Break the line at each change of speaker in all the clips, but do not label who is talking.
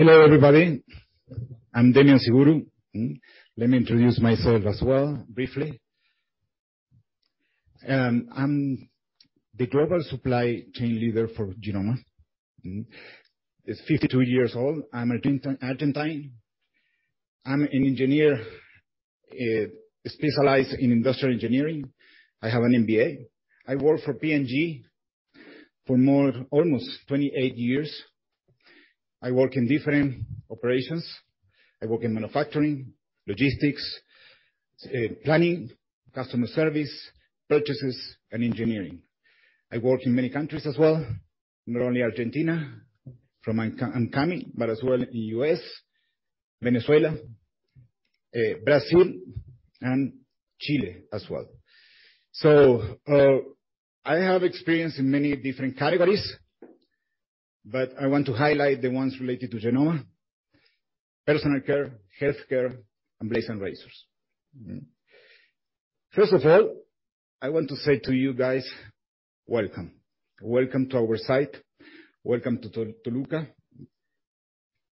Hello, everybody. I'm Demian Siburu. Let me introduce myself as well, briefly. I'm the global supply chain leader for Genomma. I'm 52 years old. I'm Argentine. I'm an engineer, specialized in industrial engineering. I have an MBA. I worked for P&G for almost 28 years. I work in different operations. I work in manufacturing, logistics, planning, customer service, purchases, and engineering. I work in many countries as well, not only Argentina, from I'm coming, but as well in U.S., Venezuela, Brazil and Chile as well. I have experience in many different categories, but I want to highlight the ones related to Genomma: personal care, healthcare, and blades and razors. First of all, I want to say to you guys, welcome. Welcome to our site. Welcome to Toluca.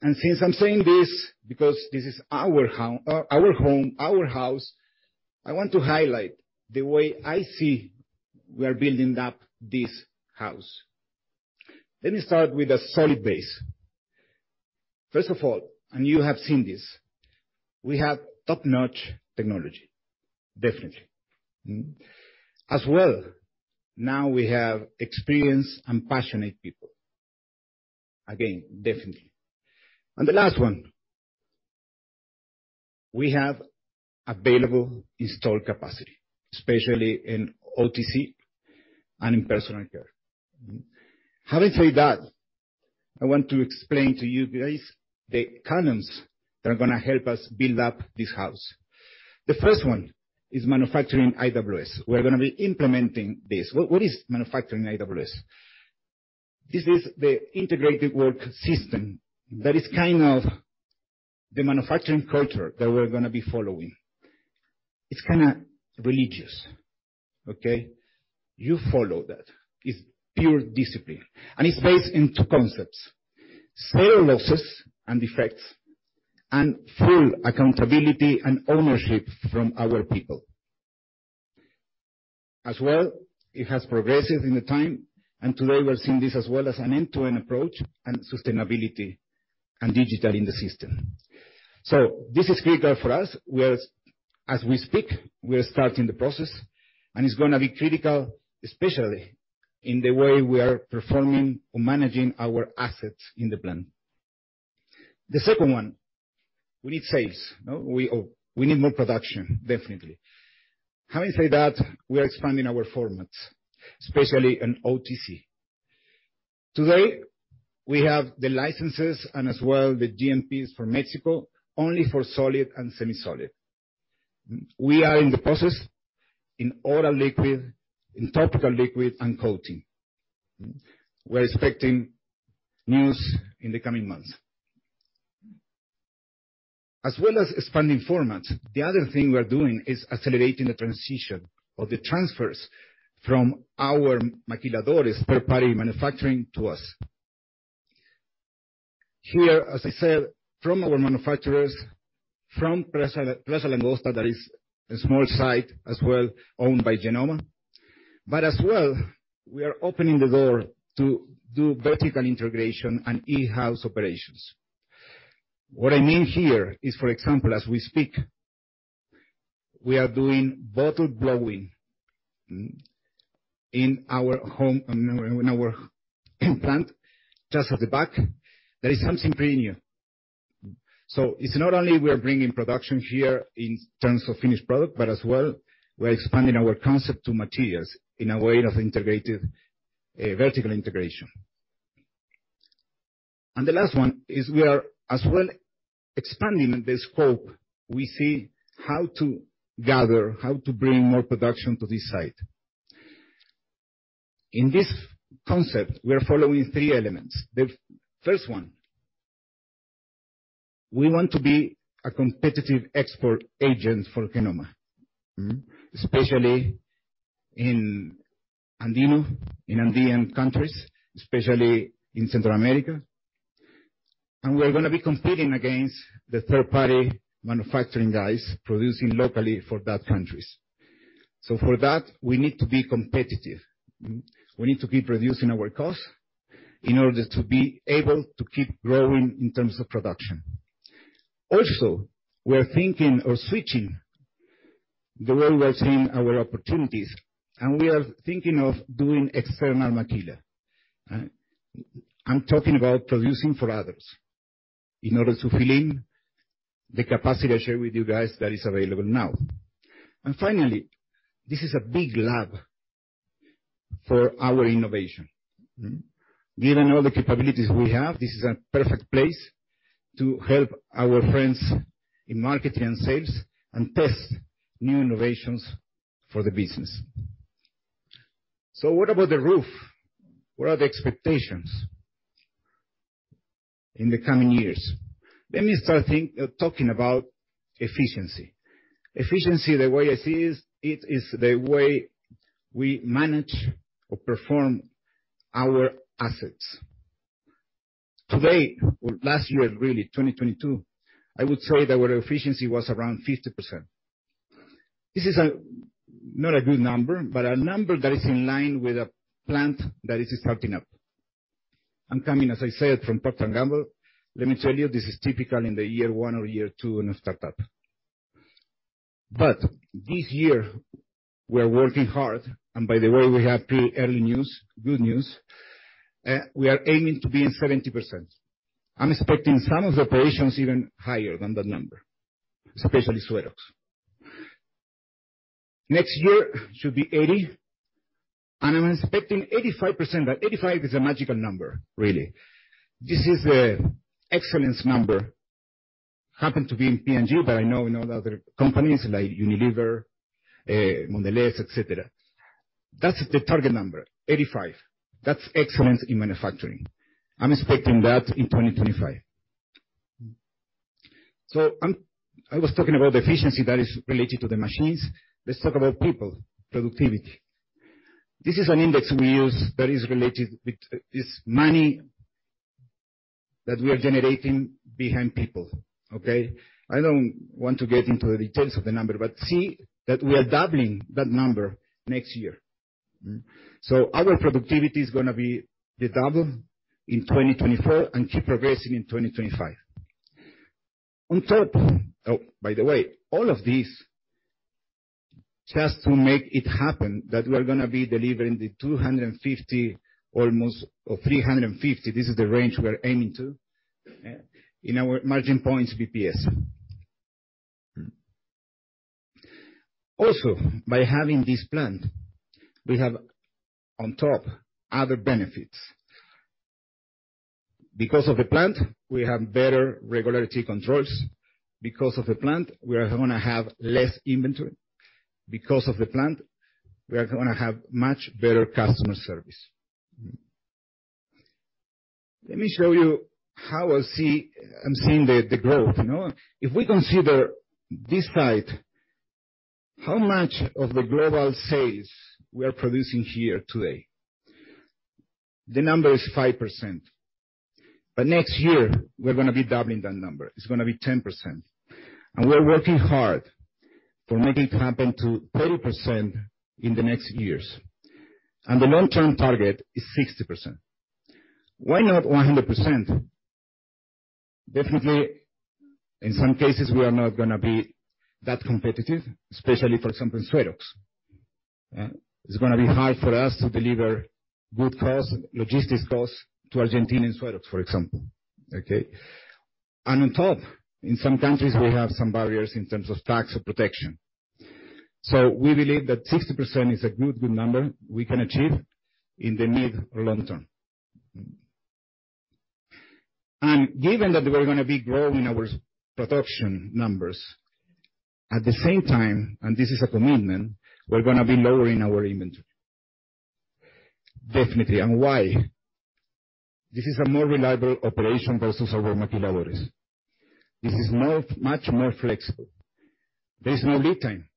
Since I'm saying this because this is our home, our house, I want to highlight the way I see we are building up this house. Let me start with a solid base. First of all, you have seen this, we have top-notch technology, definitely. Now we have experienced and passionate people. Again, definitely. The last one, we have available installed capacity, especially in OTC and in personal care. Having said that, I want to explain to you guys the cannons that are gonna help us build up this house. The first one is manufacturing IWS. We're gonna be implementing this. What is manufacturing IWS? This is the integrated work system that is kind of the manufacturing culture that we're gonna be following. It's kind of religious. Okay? You follow that. It's pure discipline, it's based in two concepts: zero losses and defects and full accountability and ownership from our people. As well, it has progresses in the time, today we're seeing this as well as an end-to-end approach and sustainability and digital in the system. This is critical for us. As we speak, we are starting the process, it's gonna be critical, especially in the way we are performing or managing our assets in the plant. The second one, we need sales. No, we need more production, definitely. Having said that, we are expanding our formats, especially in OTC. Today, we have the licenses and as well the GMPs for Mexico, only for solid and semi-solid. We are in the process in oral liquid, in topical liquid, and coating. We're expecting news in the coming months. As well as expanding formats, the other thing we're doing is accelerating the transition of the transfers from our maquiladoras third-party manufacturing to us. Here, as I said, from our manufacturers, from Presa Langosta, that is a small site as well, owned by Genomma. As well, we are opening the door to do vertical integration and in-house operations. What I mean here is, for example, as we speak, we are doing bottle blowing in our plant. Just at the back, there is something brand new. It's not only we are bringing production here in terms of finished product, but as well, we are expanding our concept to materials in a way of integrated vertical integration. The last one is we are as well expanding the scope. We see how to gather, how to bring more production to this site. In this concept, we are following three elements. The first one, we want to be a competitive export agent for Genomma, especially in Andino, in Andean countries, especially in Central America. We're gonna be competing against the third-party manufacturing guys producing locally for that countries. For that, we need to be competitive. We need to keep reducing our costs in order to be able to keep growing in terms of production. Also, we're thinking of switching the way we are seeing our opportunities, and we are thinking of doing external maquila. I'm talking about producing for others in order to fill in the capacity I share with you guys that is available now. Finally, this is a big lab for our innovation. Given all the capabilities we have, this is a perfect place to help our friends in marketing and sales and test new innovations for the business. What about the roof? What are the expectations in the coming years? Let me start talking about efficiency. Efficiency, the way I see is, it is the way we manage or perform our assets. To date or last year really, 2022, I would say that our efficiency was around 50%. This is not a good number, but a number that is in line with a plant that is starting up. I'm coming, as I said, from Procter & Gamble. Let me tell you, this is typical in the year one or year two in a startup. This year, we're working hard, and by the way, we have pre early news, good news. We are aiming to be in 70%. I'm expecting some of the operations even higher than that number, especially SueroX. Next year should be 80, and I'm expecting 85%. That 85 is a magical number, really. This is the excellence number. Happened to be in P&G, but I know in all the other companies like Unilever, Mondelēz, et cetera. That's the target number, 85. That's excellence in manufacturing. I'm expecting that in 2025. I was talking about the efficiency that is related to the machines. Let's talk about people, productivity. This is an index we use that is related with this money that we are generating behind people, okay? I don't want to get into the details of the number, but see that we are doubling that number next year. Our productivity is gonna be doubled in 2024 and keep progressing in 2025. On top. Oh, by the way, all of this just to make it happen, that we're gonna be delivering the 250 almost or 350, this is the range we're aiming to, in our margin points BPS. By having this plant, we have on top other benefits. Because of the plant, we have better regularity controls. Because of the plant, we are gonna have less inventory. Because of the plant, we are gonna have much better customer service. Let me show you how I'm seeing the growth, you know. If we consider this site, how much of the global sales we are producing here today? The number is 5%, but next year we're gonna be doubling that number. It's gonna be 10%. We're working hard for making it happen to 30% in the next years. The long-term target is 60%. Why not 100%? Definitely, in some cases, we are not gonna be that competitive, especially, for example, in SueroX. It's gonna be hard for us to deliver good cost, logistics cost to Argentina and SueroX, for example, okay? On top, in some countries, we have some barriers in terms of tax or protection. We believe that 60% is a good number we can achieve in the mid or long term. Given that we're gonna be growing our production numbers, at the same time, and this is a commitment, we're gonna be lowering our inventory. Definitely. Why? This is a more reliable operation versus our maquiladoras. This is much more flexible. There's no lead time,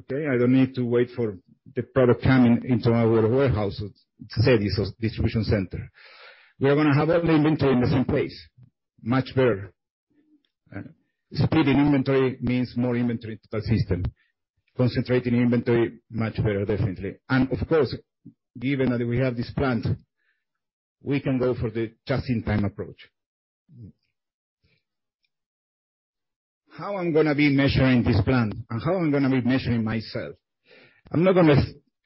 okay? I don't need to wait for the product coming into our warehouses, cities or distribution center. We are gonna have all the inventory in the same place, much better. Splitting inventory means more inventory to the system. Concentrating inventory, much better, definitely. Of course, given that we have this plant, we can go for the just-in-time approach. How I'm gonna be measuring this plant and how I'm gonna be measuring myself? I'm not gonna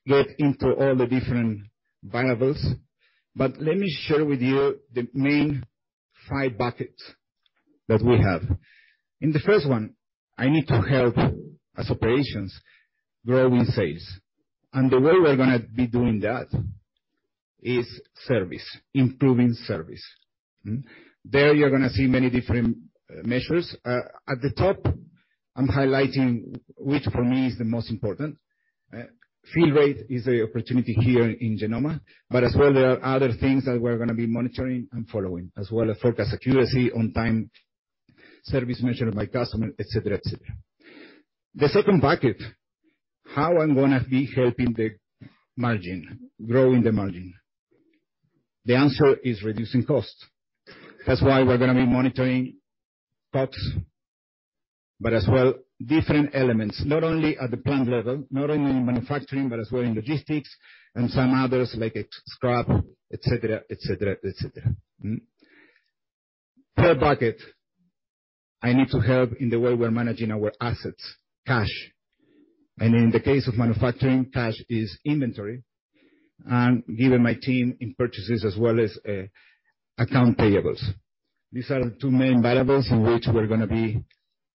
get into all the different variables, but let me share with you the main five buckets that we have. In the first one, I need to help as operations growing sales. The way we're gonna be doing that is service, improving service. There you're gonna see many different measures. At the top, I'm highlighting which for me is the most important. fill rate is a opportunity here in Genomma, as well, there are other things that we're gonna be monitoring and following, as well as forecast accuracy on time, service measure by customer, et cetera, et cetera. The second bucket, how I'm gonna be helping the margin, growing the margin? The answer is reducing cost. That's why we're gonna be monitoring costs, as well, different elements. Not only at the plant level, not only in manufacturing, as well in logistics and some others like scrap, et cetera, et cetera, et cetera. Per bucket, I need to help in the way we're managing our assets, cash. In the case of manufacturing, cash is inventory. Given my team in purchases as well as account payables. These are two main variables in which we're gonna be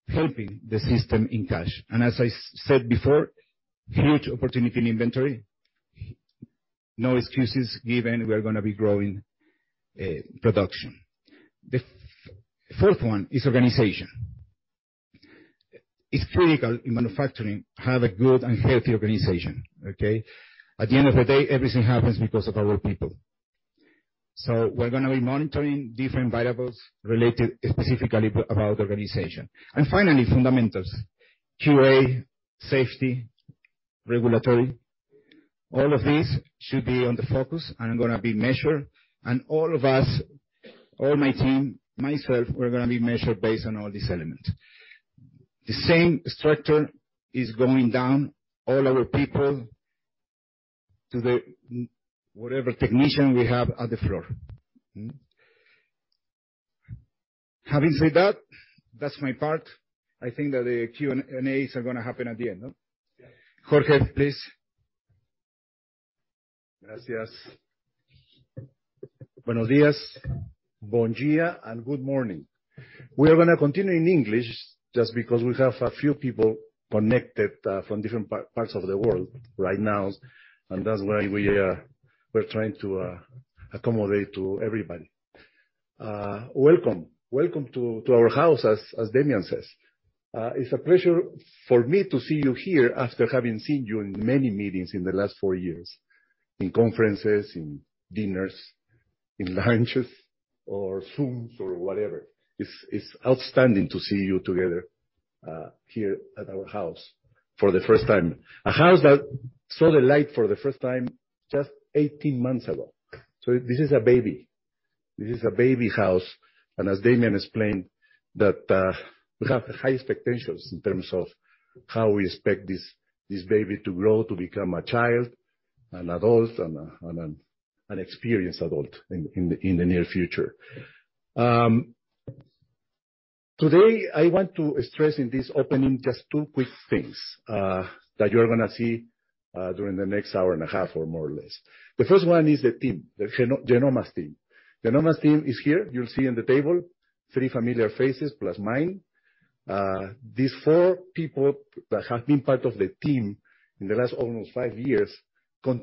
helping the system in cash. As I said before, huge opportunity in inventory. No excuses given we are gonna be growing production. The fourth one is organization. It's critical in manufacturing, have a good and healthy organization, okay? At the end of the day, everything happens because of our people. We're gonna be monitoring different variables related specifically about organization. Finally, fundamentals. QA, safety, regulatory, all of these should be on the focus and are gonna be measured. All of us, all my team, myself, we're gonna be measured based on all these elements. The same structure is going down all our people to the whatever technician we have at the floor. Having said that's my part. I think that the Q&As are gonna happen at the end, no?
Yeah.
Jorge, please.
Gracias. Buenos dias. Bon dia and good morning. We are gonna continue in English just because we have a few people connected from different parts of the world right now. That's why we're trying to accommodate to everybody. Welcome. Welcome to our house as Demian says. It's a pleasure for me to see you here after having seen you in many meetings in the last four years, in conferences, in dinners, in lunches or Zooms or whatever. It's outstanding to see you together here at our house for the first time. A house that saw the light for the first time just 18 months ago. This is a baby. This is a baby house. As Demian explained that, we have high expectations in terms of how we expect this baby to grow to become a child, an adult and an experienced adult in the near future. Today I want to stress in this opening just two quick things that you're gonna see during the next hour and a half or more or less. The first one is the team, the Genomma's team. Genomma's team is here. You'll see on the table three familiar faces plus mine. These four people that have been part of the team in the last almost five years will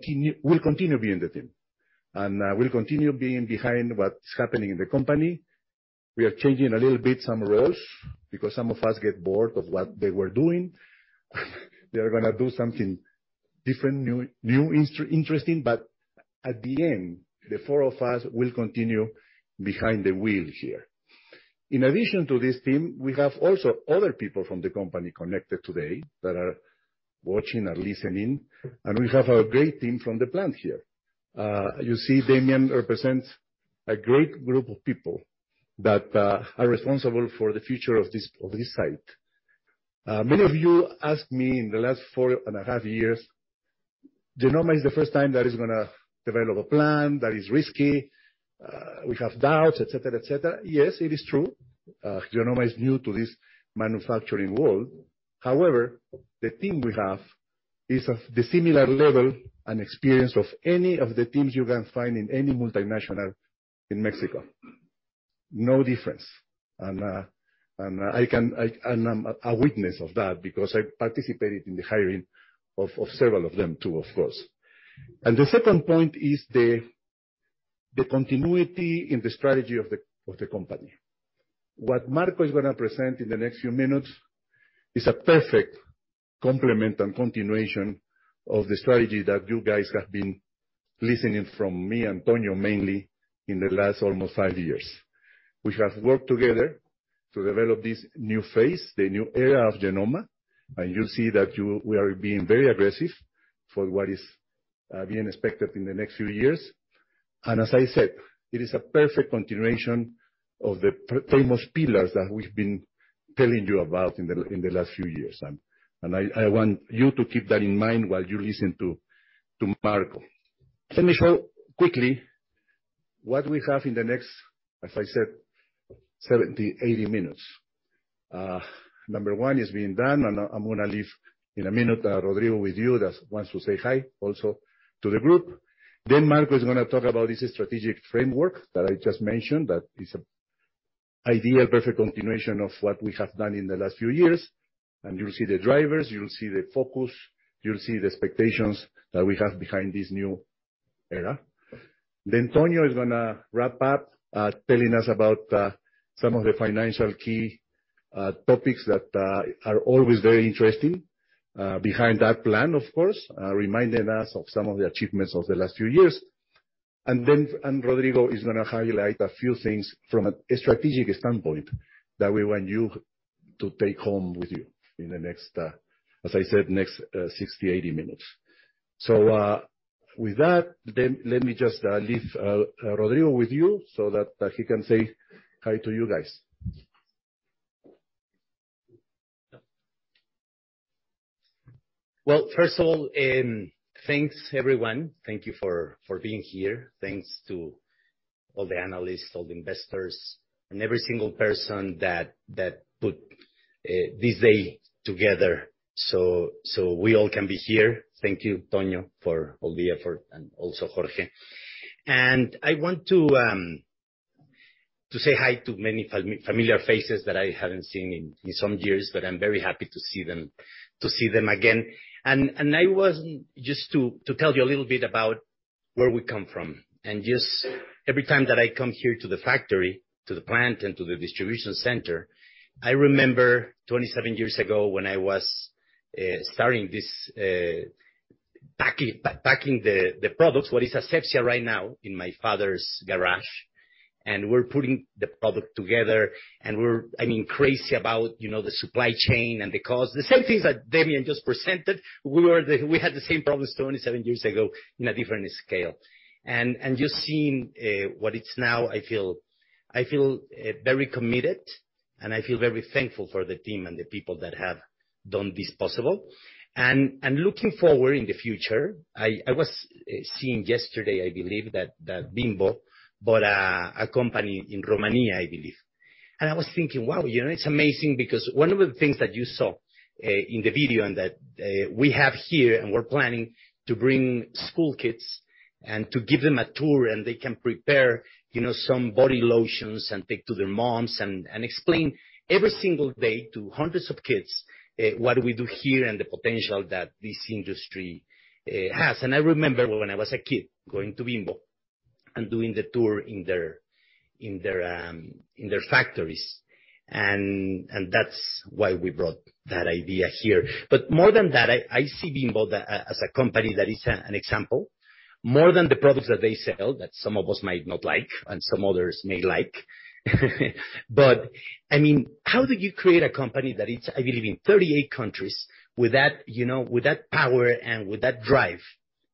continue being the team. Will continue being behind what's happening in the company. We are changing a little bit some roles because some of us get bored of what they were doing. They are gonna do something different, new, interesting. At the end, the four of us will continue behind the wheel here. In addition to this team, we have also other people from the company connected today that are watching and listening. We have a great team from the plant here. You see Demian represents a great group of people that are responsible for the future of this site. Many of you asked me in the last four and a half years, Genomma is the first time that it's gonna develop a plan that is risky. We have doubts, et cetera. Yes, it is true. Genomma is new to this manufacturing world. However, the team we have is of the similar level and experience of any of the teams you can find in any multinational in Mexico. No difference. I'm a witness of that because I participated in the hiring of several of them too, of course. The second point is the continuity in the strategy of the company. What Marco is gonna present in the next few minutes is a perfect complement and continuation of the strategy that you guys have been listening from me and Tonio mainly in the last almost five years. We have worked together to develop this new phase, the new era of Genomma, you see that we are being very aggressive for what is being expected in the next few years. As I said, it is a perfect continuation of the famous pillars that we've been telling you about in the last few years. I want you to keep that in mind while you listen to Marco. Let me show quickly what we have in the next, as I said, 70, 80 minutes. Number one is being done, and I'm gonna leave in a minute, Rodrigo with you that wants to say hi also to the group. Marco is gonna talk about this strategic framework that I just mentioned that is ideal, perfect continuation of what we have done in the last few years. You'll see the drivers, you'll see the focus, you'll see the expectations that we have behind this new era. Tonio is gonna wrap up, telling us about some of the financial key topics that are always very interesting behind that plan, of course, reminding us of some of the achievements of the last few years. Rodrigo is gonna highlight a few things from a strategic standpoint that we want you to take home with you in the next, as I said, next, 60, 80 minutes. With that, then let me just leave Rodrigo with you so that he can say hi to you guys.
Well, first of all, thanks everyone. Thank you for being here. Thanks to all the analysts, all the investors and every single person that put this day together so we all can be here. Thank you, Tonio, for all the effort and also Jorge. I want to say hi to many familiar faces that I haven't seen in some years, but I'm very happy to see them again. Just to tell you a little bit about where we come from. Every time that I come here to the factory, to the plant and to the distribution center, I remember 27 years ago when I was starting packing the products what is Asepxia right now in my father's garage, and we're putting the product together, and we're, I mean, crazy about, you know, the supply chain and the cost. The same things that Demian just presented, we had the same problems 27 years ago in a different scale. Just seeing what it's now, I feel, I feel very committed, and I feel very thankful for the team and the people that have done this possible. Looking forward in the future, I was seeing yesterday, I believe, that Bimbo bought a company in Romania, I believe. I was thinking, wow, you know, it's amazing because one of the things that you saw in the video and that we have here and we're planning to bring school kids and to give them a tour, and they can prepare, you know, some body lotions and take to their moms and explain every single day to hundreds of kids what we do here and the potential that this industry has. I remember when I was a kid going to Bimbo and doing the tour in their, in their factories, and that's why we brought that idea here. More than that, I see Bimbo as a company that is an example. More than the products that they sell that some of us might not like and some others may like. I mean, how do you create a company that it's, I believe, in 38 countries with that, you know, with that power and with that drive?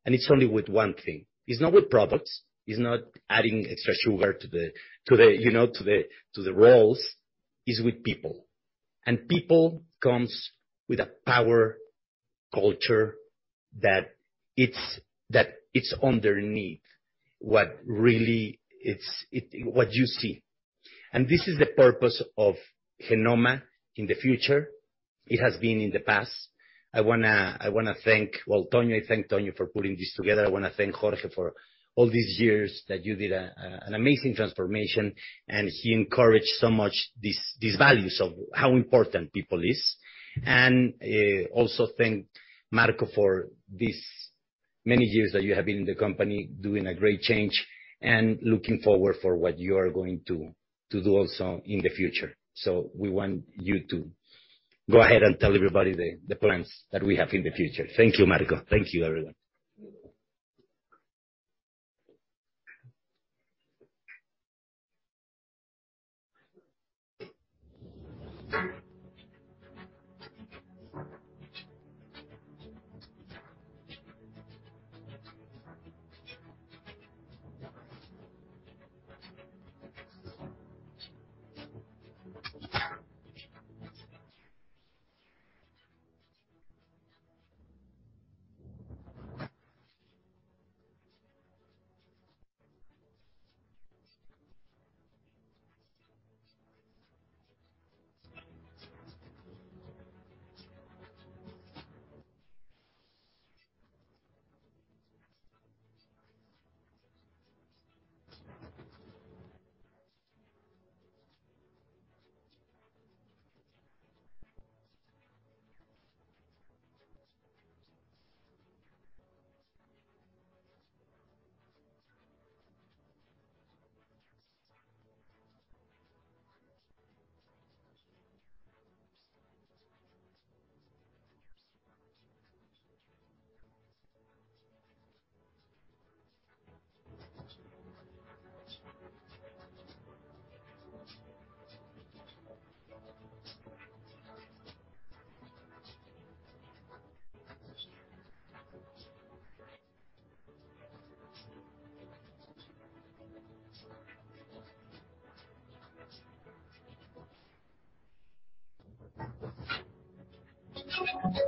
It's only with one thing. It's not with products. It's not adding extra sugar to the, to the, you know, to the, to the rolls. It's with people. People comes with a power culture that it's underneath what really it's what you see. This is the purpose of Genomma in the future. It has been in the past. I wanna thank... Well, Tonio, I thank Tonio for putting this together. I wanna thank Jorge for all these years that you did an amazing transformation, and he encouraged so much these values of how important people is. Also thank Marco for these many years that you have been in the company doing a great change and looking forward for what you are going to do also in the future. We want you to go ahead and tell everybody the plans that we have in the future. Thank you, Marco. Thank you, everyone.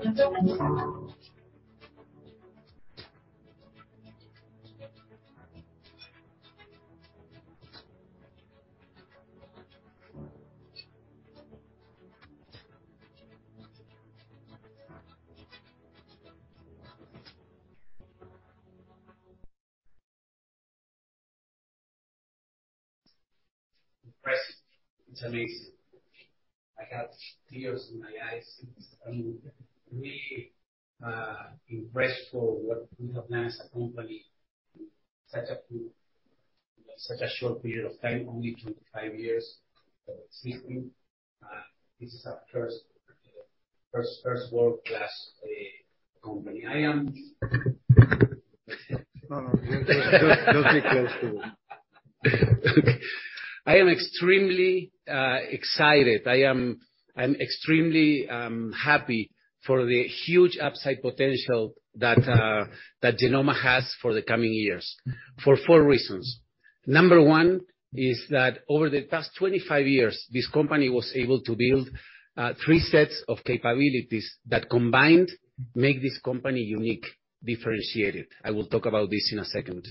Impressive. It's amazing. I have tears in my eyes. I'm really impressed for what we have done as a company in such a short period of time, only 25 years of existing. This is a first world-class company. I am.
No, no. You'll get yours too.
I am extremely excited. I am extremely happy for the huge upside potential that Genomma has for the coming years, for four reasons. Number one is that over the past 25 years, this company was able to build three sets of capabilities that combined make this company unique, differentiated. I will talk about this in a second.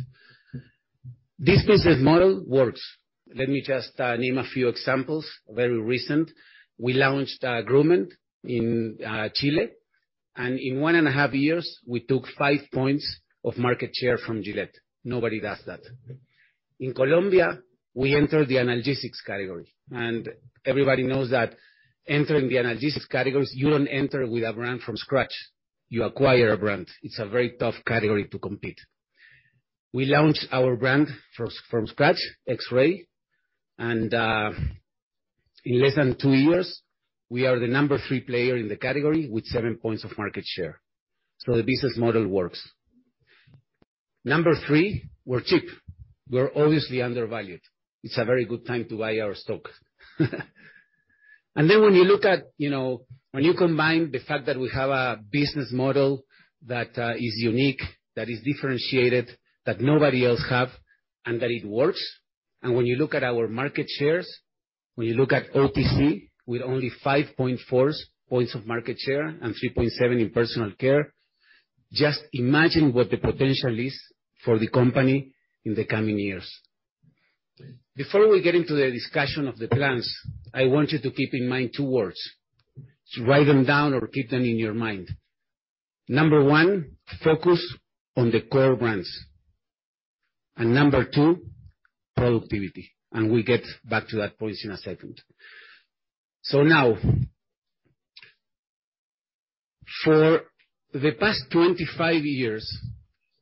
This business model works. Let me just name a few examples, very recent. We launched Grooming in Chile, and in one and a half years, we took five points of market share from Gillette. Nobody does that. In Colombia, we entered the analgesics category. Everybody knows that entering the analgesics categories, you don't enter with a brand from scratch. You acquire a brand. It's a very tough category to compete. We launched our brand from scratch, X-Ray. In less than two years, we are the number three player in the category with seven points of market share. The business model works. Number three, we're cheap, we're obviously undervalued. It's a very good time to buy our stock. When you look at, you know, when you combine the fact that we have a business model that is unique, that is differentiated, that nobody else have, and that it works. When you look at our market shares, when you look at OTC with only 5.4 points of market share and 3.7 in personal care, just imagine what the potential is for the company in the coming years. Before we get into the discussion of the plans, I want you to keep in mind two words. Write them down or keep them in your mind. Number one, focus on the core brands. Number two, productivity, and we'll get back to that point in a second. Now, for the past 25 years,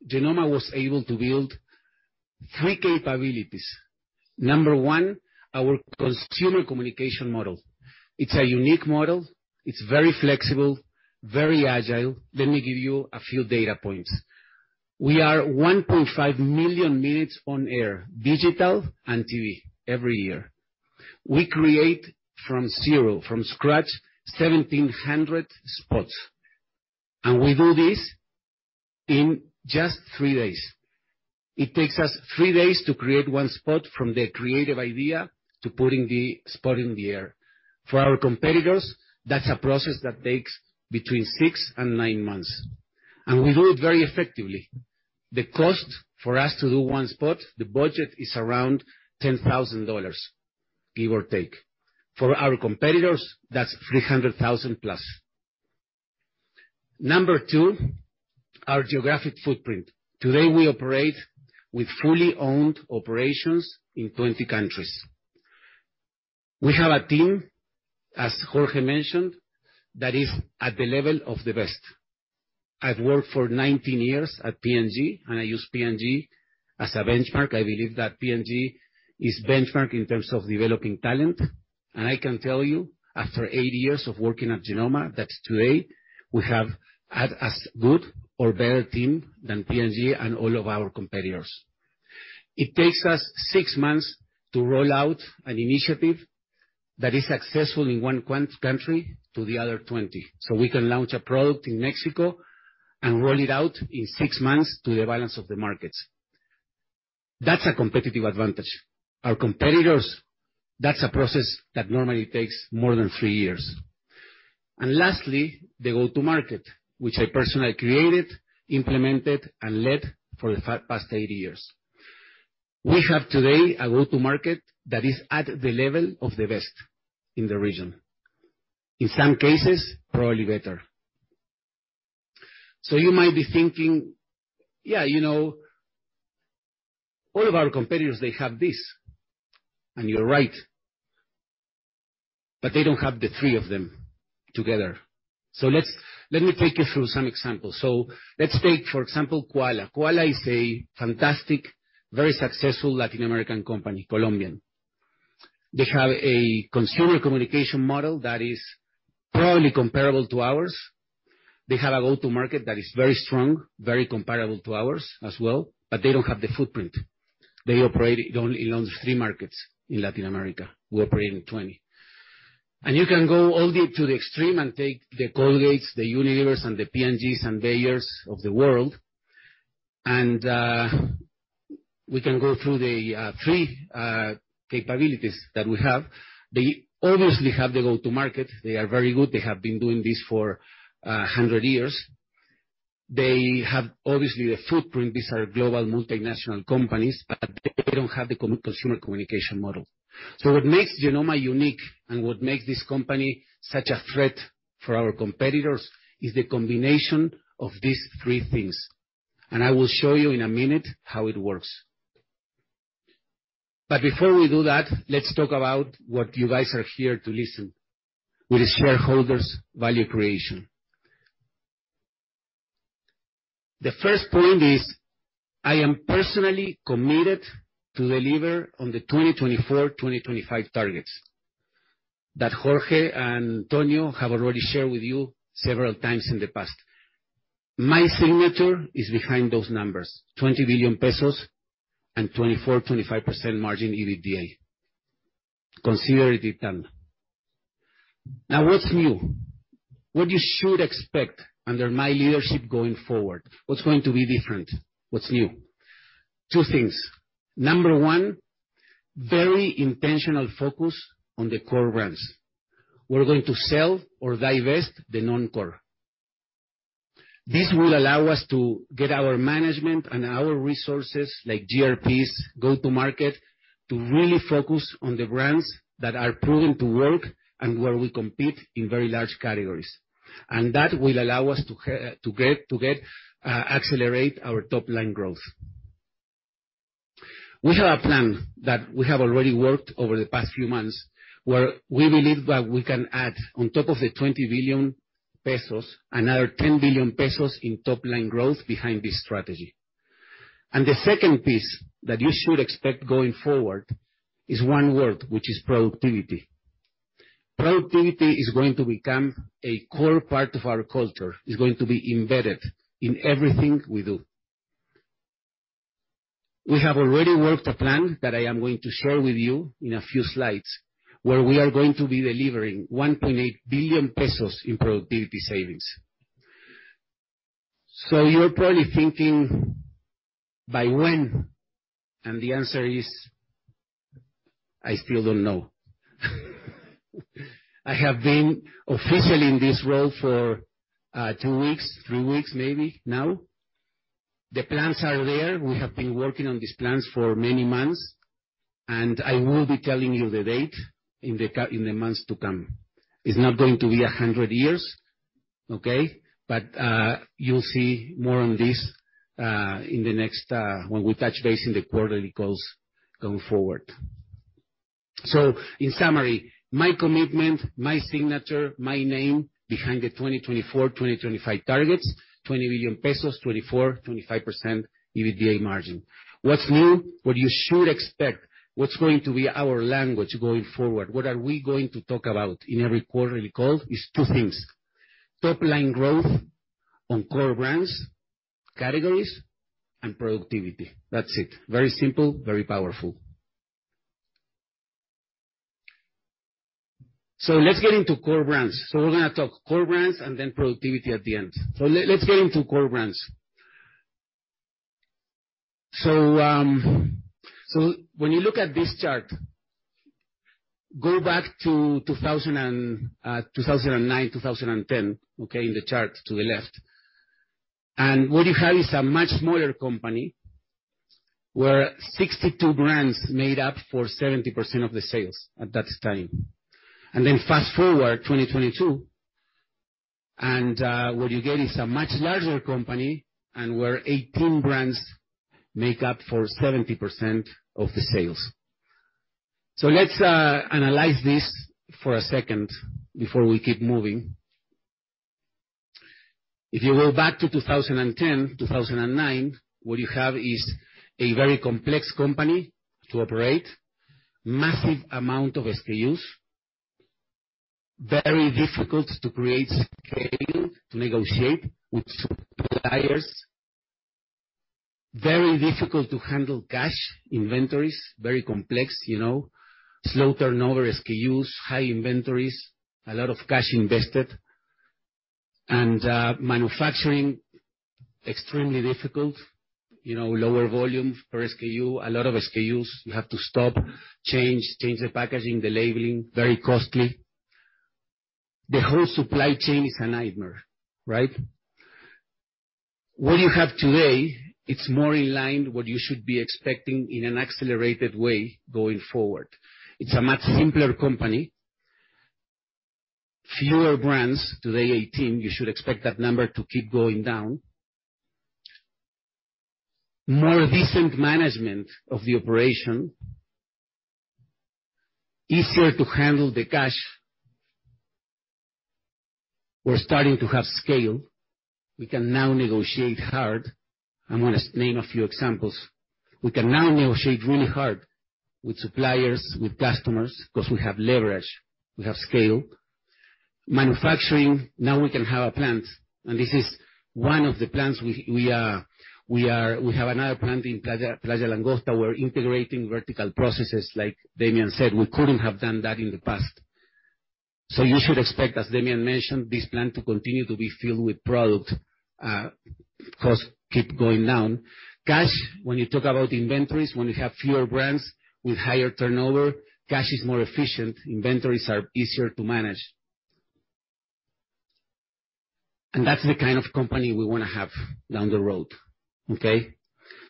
Genomma was able to build three capabilities. Number one, our consumer communication model. It's a unique model, it's very flexible, very agile. Let me give you a few data points. We are 1.5 million minutes on air, digital and TV every year. We create from zero, from scratch, 1,700 spots, and we do this in just three days. It takes us three days to create one spot from the creative idea to putting the spot in the air. For our competitors, that's a process that takes between 6-9 months, and we do it very effectively. The cost for us to do one spot, the budget is around $10,000, give or take. For our competitors, that's 300,000+. Number two, our geographic footprint. Today, we operate with fully owned operations in 20 countries. We have a team, as Jorge mentioned, that is at the level of the best. I've worked for 19 years at P&G. I use P&G as a benchmark. I believe that P&G is benchmark in terms of developing talent. I can tell you, after eight years of working at Genomma, that's today, we have as good or better team than P&G and all of our competitors. It takes us six months to roll out an initiative that is successful in one country to the other 20. We can launch a product in Mexico and roll it out in six months to the balance of the markets. That's a competitive advantage. Our competitors, that's a process that normally takes more than three years. Lastly, the go-to market, which I personally created, implemented, and led for the past eight years. We have today a go-to market that is at the level of the best in the region. In some cases, probably better. You might be thinking, "Yeah, you know, all of our competitors, they have this." You're right. They don't have the three of them together. Let me take you through some examples. Let's take, for example, Quala. Quala is a fantastic, very successful Latin American company, Colombian. They have a consumer communication model that is probably comparable to ours. They have a go-to market that is very strong, very comparable to ours as well, but they don't have the footprint. They operate in only three markets in Latin America. We operate in 20. You can go all the way to the extreme and take the Colgate, the Unilever, and the P&G and Bayer of the world. We can go through the three capabilities that we have. They obviously have the go-to market. They are very good. They have been doing this for 100 years. They have, obviously, the footprint. These are global multinational companies, but they don't have the consumer communication model. What makes Genomma unique and what makes this company such a threat for our competitors is the combination of these three things, and I will show you in a minute how it works. Before we do that, let's talk about what you guys are here to listen, which is shareholders' value creation. The first point is, I am personally committed to deliver on the 2024, 2025 targets that Jorge and Tonio have already shared with you several times in the past. My signature is behind those numbers, 20 billion pesos and 24%-25% margin EBITDA. Consider it done. Now, what's new? What you should expect under my leadership going forward? What's going to be different? What's new? two things. Number one, very intentional focus on the core brands. We're going to sell or divest the non-core. This will allow us to get our management and our resources, like GRPs, go-to market, to really focus on the brands that are proven to work and where we compete in very large categories. That will allow us to get, accelerate our top-line growth. We have a plan that we have already worked over the past few months, where we believe that we can add on top of 20 billion pesos, another 10 billion pesos in top line growth behind this strategy. The second piece that you should expect going forward is one word, which is productivity. Productivity is going to become a core part of our culture. Is going to be embedded in everything we do. We have already worked a plan that I am going to share with you in a few slides, where we are going to be delivering 1.8 billion pesos in productivity savings. You're probably thinking, by when? The answer is, I still don't know. I have been officially in this role for two weeks, three weeks, maybe now. The plans are there. We have been working on these plans for many months. I will be telling you the date in the months to come. It's not going to be 100 years, okay? You'll see more on this in the next when we touch base in the quarterly calls going forward. In summary, my commitment, my signature, my name behind the 2024, 2025 targets, 20 billion pesos, 24%-25% EBITDA margin. What's new? What you should expect, what's going to be our language going forward? What are we going to talk about in every quarterly call is two things: top line growth on core brands, categories and productivity. That's it. Very simple, very powerful. Let's get into core brands. We're gonna talk core brands and then productivity at the end. Let's get into core brands. When you look at this chart, go back to 2009, 2010, okay? In the chart to the left. What you have is a much smaller company, where 62 brands made up for 70% of the sales at that time. Fast-forward 2022, what you get is a much larger company, and where 18 brands make up for 70% of the sales. Let's analyze this for a second before we keep moving. If you go back to 2010, 2009, what you have is a very complex company to operate, massive amount of SKUs, very difficult to create scale, to negotiate with suppliers, very difficult to handle cash, inventories, very complex, you know, slow turnover, SKUs, high inventories, a lot of cash invested, and manufacturing, extremely difficult. You know, lower volume per SKU. A lot of SKUs you have to stop, change the packaging, the labeling, very costly. The whole supply chain is a nightmare, right? What you have today, it's more in line what you should be expecting in an accelerated way going forward. It's a much simpler company. Fewer brands, today 18, you should expect that number to keep going down. More decent management of the operation. Easier to handle the cash. We're starting to have scale. We can now negotiate hard. I'm gonna name a few examples. We can now negotiate really hard with suppliers, with customers, 'cause we have leverage, we have scale. Manufacturing, now we can have a plant, and this is one of the plants. We have another plant in Presa Langosta. We're integrating vertical processes. Like Demian said, we couldn't have done that in the past. You should expect, as Demian mentioned, this plant to continue to be filled with product, cost keep going down. Cash, when you talk about inventories, when you have fewer brands with higher turnover, cash is more efficient, inventories are easier to manage. That's the kind of company we wanna have down the road, okay?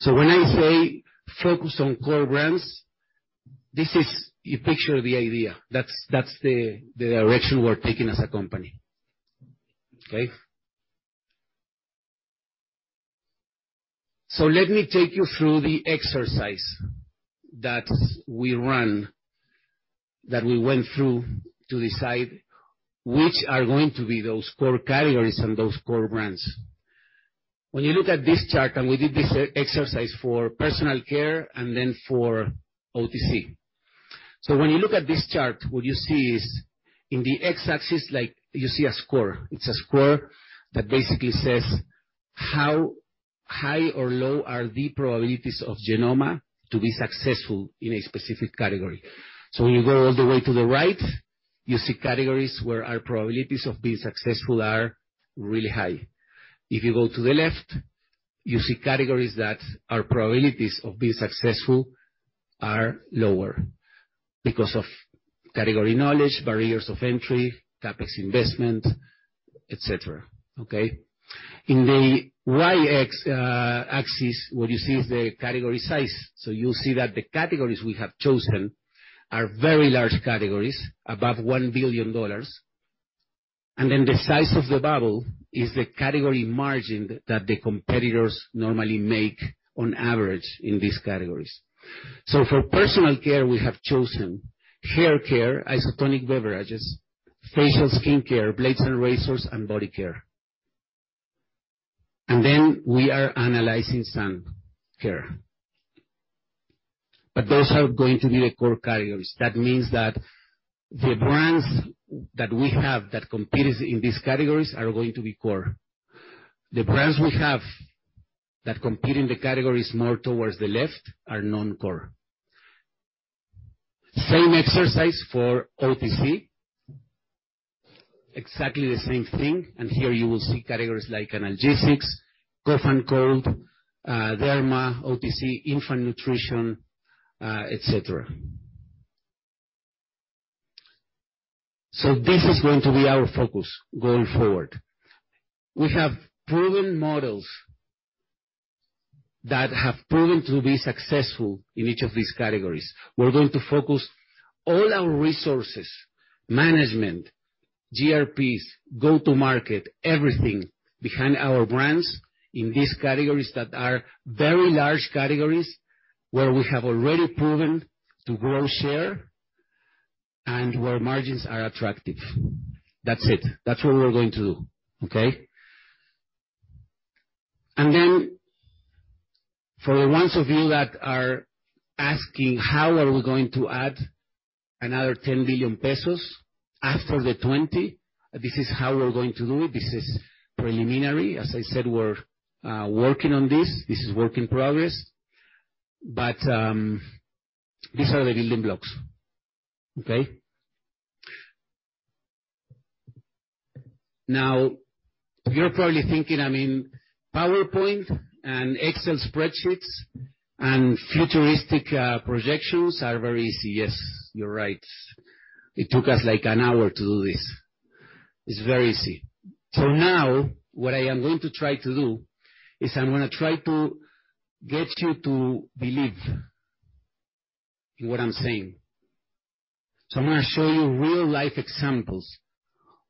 When I say focus on core brands, You picture the idea. That's the direction we're taking as a company. Okay? Let me take you through the exercise that we ran, that we went through to decide which are going to be those core categories and those core brands. When you look at this chart, and we did this exercise for personal care and then for OTC. When you look at this chart, what you see is in the X-axis, like, you see a score. It's a score that basically says how high or low are the probabilities of Genomma to be successful in a specific category. When you go all the way to the right, you see categories where our probabilities of being successful are really high. If you go to the left, you see categories that our probabilities of being successful are lower because of category knowledge, barriers of entry, Capex investment, et cetera. Okay? In the Y-axis, what you see is the category size. You'll see that the categories we have chosen are very large categories, above $1 billion. The size of the bubble is the category margin that the competitors normally make on average in these categories. For personal care, we have chosen hair care, isotonic beverages, facial skincare, blades and razors, and body care. Then we are analyzing some care. Those are going to be the core carriers. That means that the brands that we have that competes in these categories are going to be core. The brands we have that compete in the categories more towards the left are non-core. Same exercise for OTC, exactly the same thing. Here you will see categories like analgesics, cough and cold, derma, OTC, infant nutrition, et cetera. This is going to be our focus going forward. We have proven models that have proven to be successful in each of these categories. We're going to focus all our resources, management, GRPs, go to market, everything behind our brands in these categories that are very large categories where we have already proven to grow share and where margins are attractive. That's it. That's what we're going to do. Okay? For the ones of you that are asking, how are we going to add another 10 billion pesos after the 20 billion? This is how we're going to do it. This is preliminary. As I said, we're working on this. This is work in progress. These are the building blocks. Okay? You're probably thinking, I mean, PowerPoint and Excel spreadsheets and futuristic projections are very easy. Yes, you're right. It took us, like, an hour to do this. It's very easy. Now what I am going to try to do is I'm gonna try to get you to believe in what I'm saying. I'm gonna show you real-life examples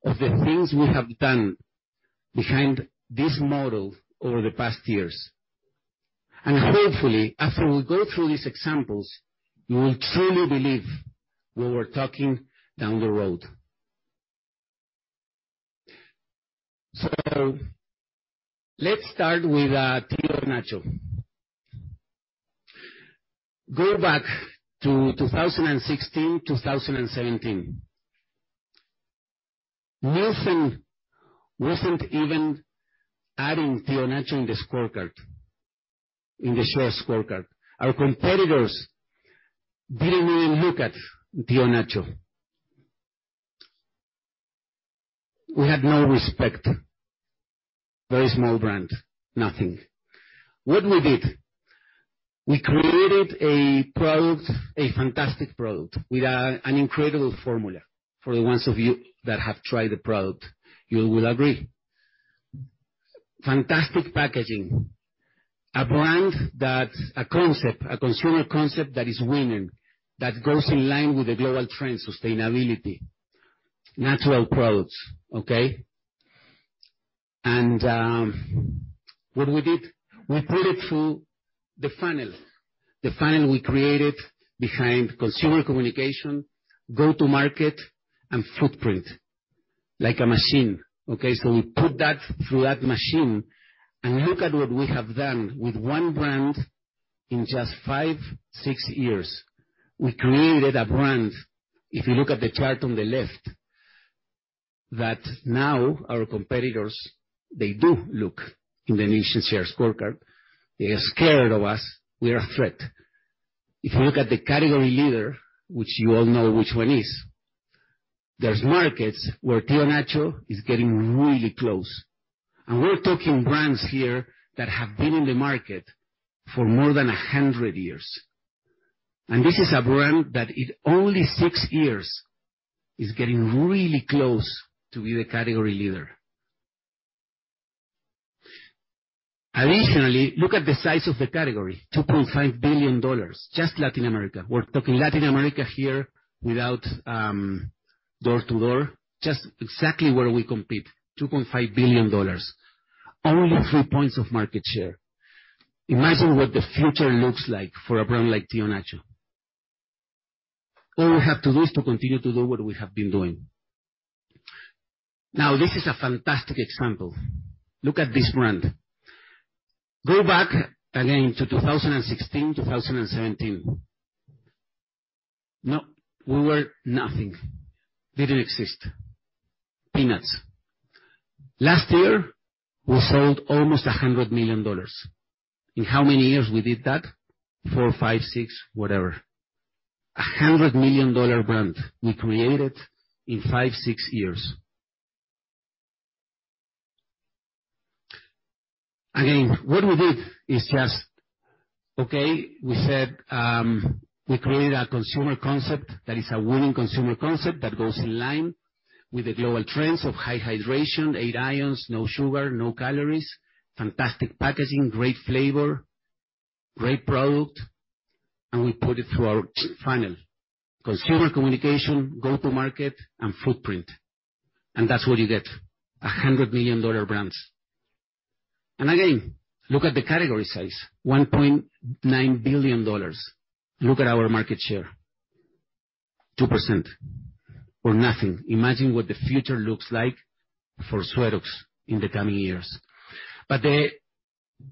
of the things we have done behind this model over the past years. Hopefully, after we go through these examples, you will truly believe what we're talking down the road. Let's start with Tío Nacho. Go back to 2016, 2017. Nielsen wasn't even adding Tío Nacho in the scorecard, in the share scorecard. Our competitors didn't even look at Tío Nacho. We had no respect. Very small brand, nothing. What we did, we created a product, a fantastic product with an incredible formula. For the ones of you that have tried the product, you will agree. Fantastic packaging. A concept, a consumer concept that is winning, that goes in line with the global trend, sustainability, natural products. Okay? What we did, we put it through the funnel. The funnel we created behind consumer communication, go to market, and footprint. Like a machine, okay? We put that through that machine and look at what we have done with one brand in just five, six years. We created a brand, if you look at the chart on the left, that now our competitors, they do look in the nation share scorecard. They are scared of us. We are a threat. If you look at the category leader, which you all know which one is, there's markets where Tío Nacho is getting really close. We're talking brands here that have been in the market for more than 100 years. This is a brand that in only six years is getting really close to be the category leader. Additionally, look at the size of the category, $2.5 billion, just Latin America. We're talking Latin America here without door-to-door, just exactly where we compete, $2.5 billion. Only three points of market share. Imagine what the future looks like for a brand like Tío Nacho. All we have to do is to continue to do what we have been doing. This is a fantastic example. Look at this brand. Go back again to 2016, 2017. We were nothing. Didn't exist. Peanuts. Last year, we sold almost $100 million. In how many years we did that? Four, five, six, whatever. A $100 million brand we created in five, six years. We created a consumer concept that is a winning consumer concept that goes in line with the global trends of high hydration, eight ions, no sugar, no calories, fantastic packaging, great flavor, great product, and we put it through our funnel. Consumer communication, go to market, and footprint. That's what you get, $100 million brands. Again, look at the category size, $1.9 billion. Look at our market share. 2% or nothing. Imagine what the future looks like for SueroX in the coming years. The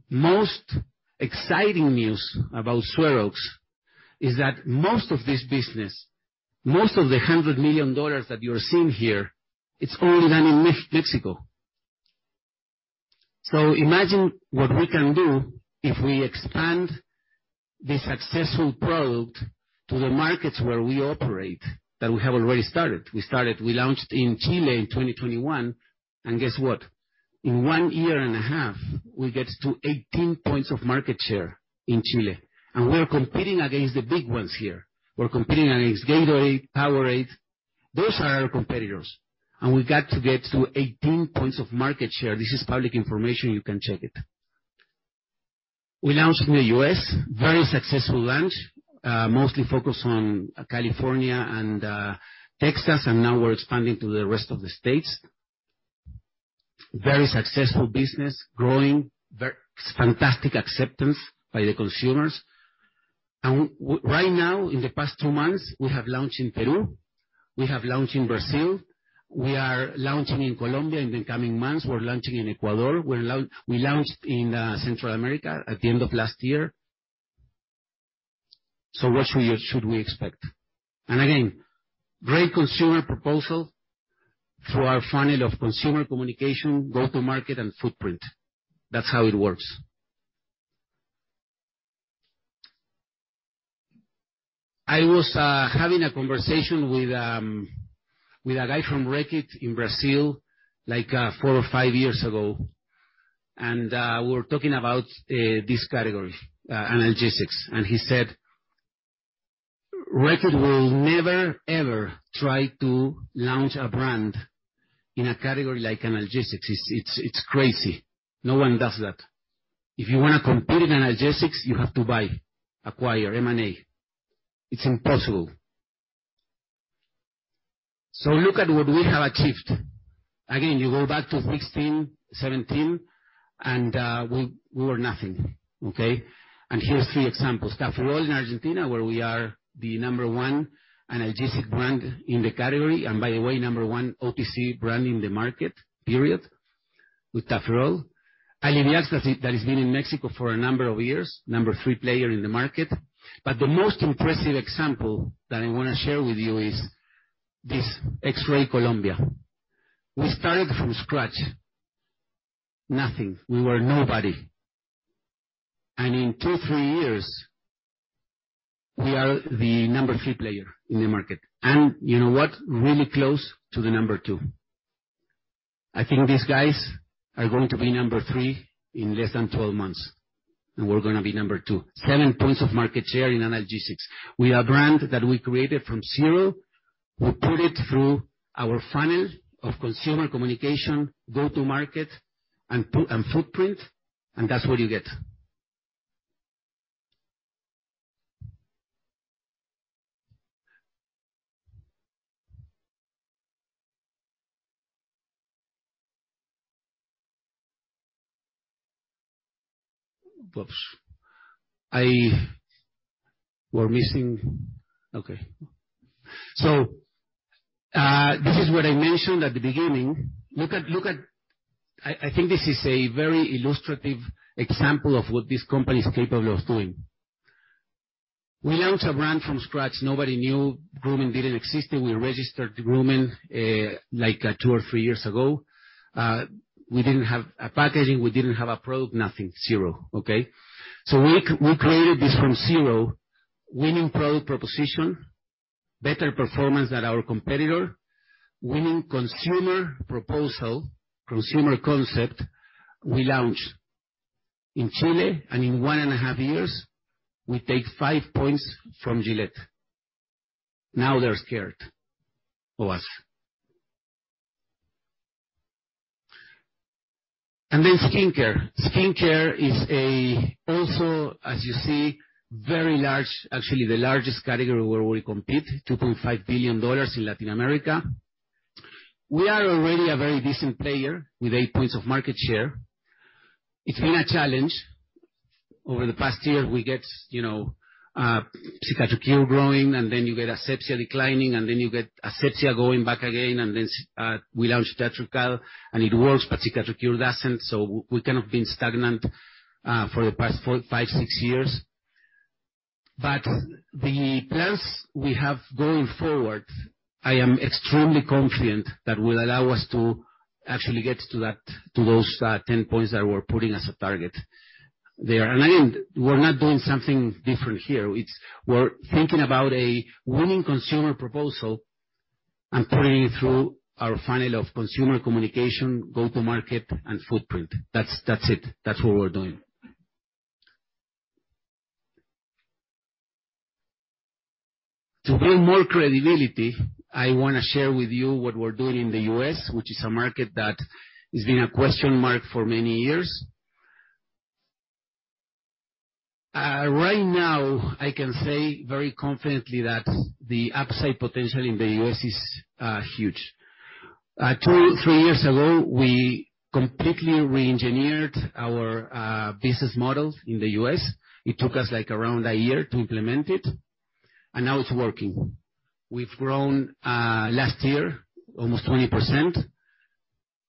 most exciting news about SueroX is that most of this business, most of the $100 million that you are seeing here, it's only done in Mexico. Imagine what we can do if we expand this successful product to the markets where we operate, that we have already started. We launched in Chile in 2021. Guess what? In one year and a half, we get to 18 points of market share in Chile. We're competing against the big ones here. We're competing against Gatorade, Powerade. Those are our competitors. We got to get to 18 points of market share. This is public information. You can check it. We launched in the U.S., very successful launch, mostly focused on California and Texas, and now we're expanding to the rest of the states. Very successful business, growing, fantastic acceptance by the consumers. Right now, in the past two months, we have launched in Peru, we have launched in Brazil, we are launching in Colombia in the coming months. We're launching in Ecuador. We launched in Central America at the end of last year. What should we expect? Again, great consumer proposal through our funnel of consumer communication, go-to-market, and footprint. That's how it works. I was having a conversation with a guy from Reckitt in Brazil, like four or five years ago, and we were talking about this category, analgesics. He said Reckitt will never, ever try to launch a brand in a category like analgesics. It's crazy. No one does that. If you wanna compete in analgesics, you have to buy, acquire, M&A. It's impossible. Look at what we have achieved. Again, you go back to 2016, 2017, and we were nothing, okay? Here's three examples. Tafirol in Argentina, where we are the number one analgesic brand in the category, and by the way, number one OTC brand in the market, period, with Tafirol. Aliviax that has been in Mexico for a number of years, number three player in the market. The most impressive example that I wanna share with you is this X-Ray Colombia. We started from scratch. Nothing. We were nobody. In two, three years, we are the number three player in the market. You know what? Really close to the number two. I think these guys are going to be number three in less than 12 months, and we're gonna be number 2. 7 points of market share in analgesics. We are a brand that we created from zero. We put it through our funnel of consumer communication, go-to-market, and footprint, and that's what you get. Whoops. This is what I mentioned at the beginning. Look at, I think this is a very illustrative example of what this company is capable of doing. We launched a brand from scratch. Nobody knew Grooming didn't exist, and we registered Grooming, like, two or three years ago. We didn't have a packaging, we didn't have a product, nothing, zero, okay? We created this from zero, winning product proposition, better performance than our competitor, winning consumer proposal, consumer concept. We launch in Chile. In 1.5 years, we take 5% from Gillette. Now they're scared of us. Skincare. Skincare is a, also, as you see, very large, actually the largest category where we compete, $2.5 billion in Latin America. We are already a very decent player with 8% of market share. It's been a challenge. Over the past year, we get, you know, Cicatricure growing, and then you get Asepxia declining, and then you get Asepxia going back again, we launch Teatrical, and it works, but Cicatricure doesn't. We kind of been stagnant for the past four, five, six years. The plans we have going forward, I am extremely confident that will allow us to actually get to that, to those, 10 points that we're putting as a target there. Again, we're not doing something different here. It's we're thinking about a winning consumer proposal and putting it through our funnel of consumer communication, go-to-market, and footprint. That's it. That's what we're doing. To build more credibility, I wanna share with you what we're doing in the U.S., which is a market that has been a question mark for many years. Right now, I can say very confidently that the upside potential in the U.S. is huge. two, three years ago, we completely re-engineered our business model in the U.S. It took us like around a year to implement it, now it's working. We've grown last year almost 20%.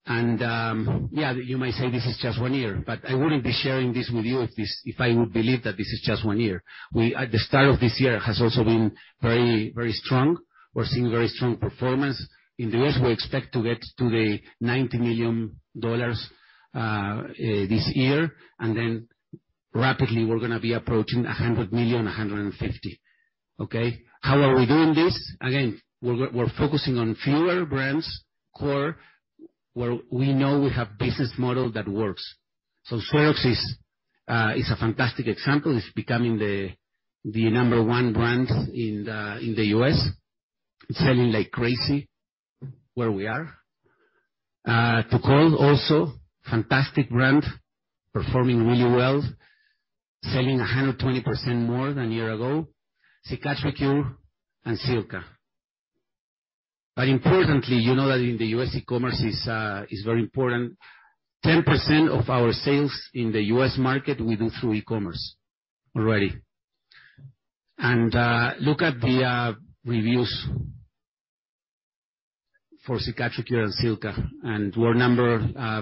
Yeah, you might say this is just one year, but I wouldn't be sharing this with you if I would believe that this is just one year. At the start of this year has also been very, very strong. We're seeing very strong performance. In the U.S., we expect to get to the $90 million this year, and then rapidly we're gonna be approaching $100 million, $150 million. Okay? How are we doing this? Again, we're focusing on fewer brands, core, where we know we have business model that works. SueroX is a fantastic example. It's becoming the number one brand in the U.S. It's selling like crazy where we are. Tukol also fantastic brand, performing really well, selling 120% more than a year ago. Cicatricure and Silka. Importantly, you know that in the U.S., e-commerce is very important. 10% of our sales in the U.S. market we do through e-commerce already. Look at the reviews for Cicatricure and Silka, and we're number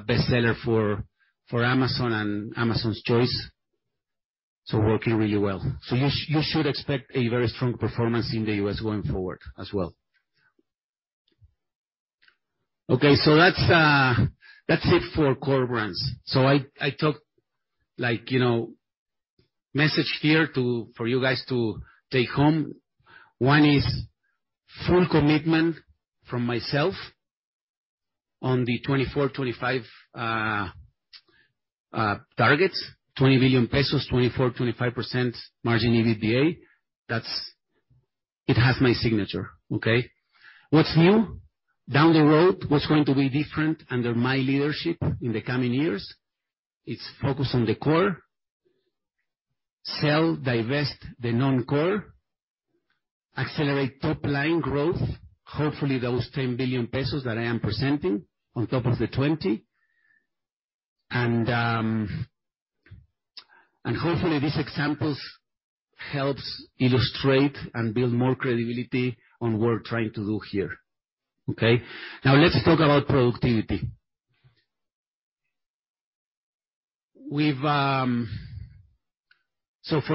bestseller for Amazon and Amazon's Choice, so working really well. You should expect a very strong performance in the U.S. going forward as well. That's it for core brands. I talked like, you know. Message here for you guys to take home. One is full commitment from myself on the 2024/2025 targets, MXN 20 billion, 24%-25% margin EBITDA. It has my signature. What's new? Down the road, what's going to be different under my leadership in the coming years? It's focus on the core. Sell, divest the non-core. Accelerate top-line growth. Hopefully, those 10 billion pesos that I am presenting on top of the 20. Hopefully these examples helps illustrate and build more credibility on what we're trying to do here. Okay? Now let's talk about productivity. We've for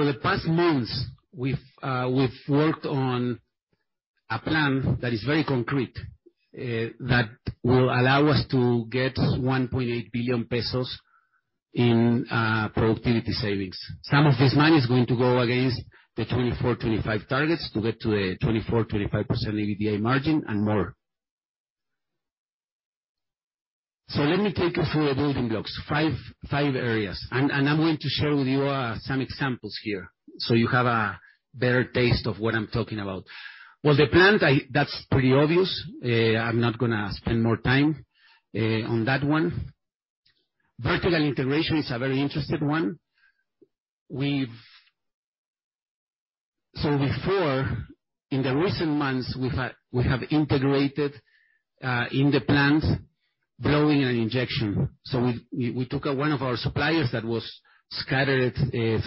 the past months, we've worked on a plan that is very concrete that will allow us to get 1.8 billion pesos in productivity savings. Some of this money is going to go against the 2024/2025 targets to get to a 24%-25% EBITDA margin and more. Let me take you through the building blocks, five areas. I'm going to share with you some examples here, so you have a better taste of what I'm talking about. Well, the plans that's pretty obvious. I'm not gonna spend more time on that one. Vertical integration is a very interesting one. So before, in the recent months, we have integrated in the plant, blowing and injection. We took one of our suppliers that was scattered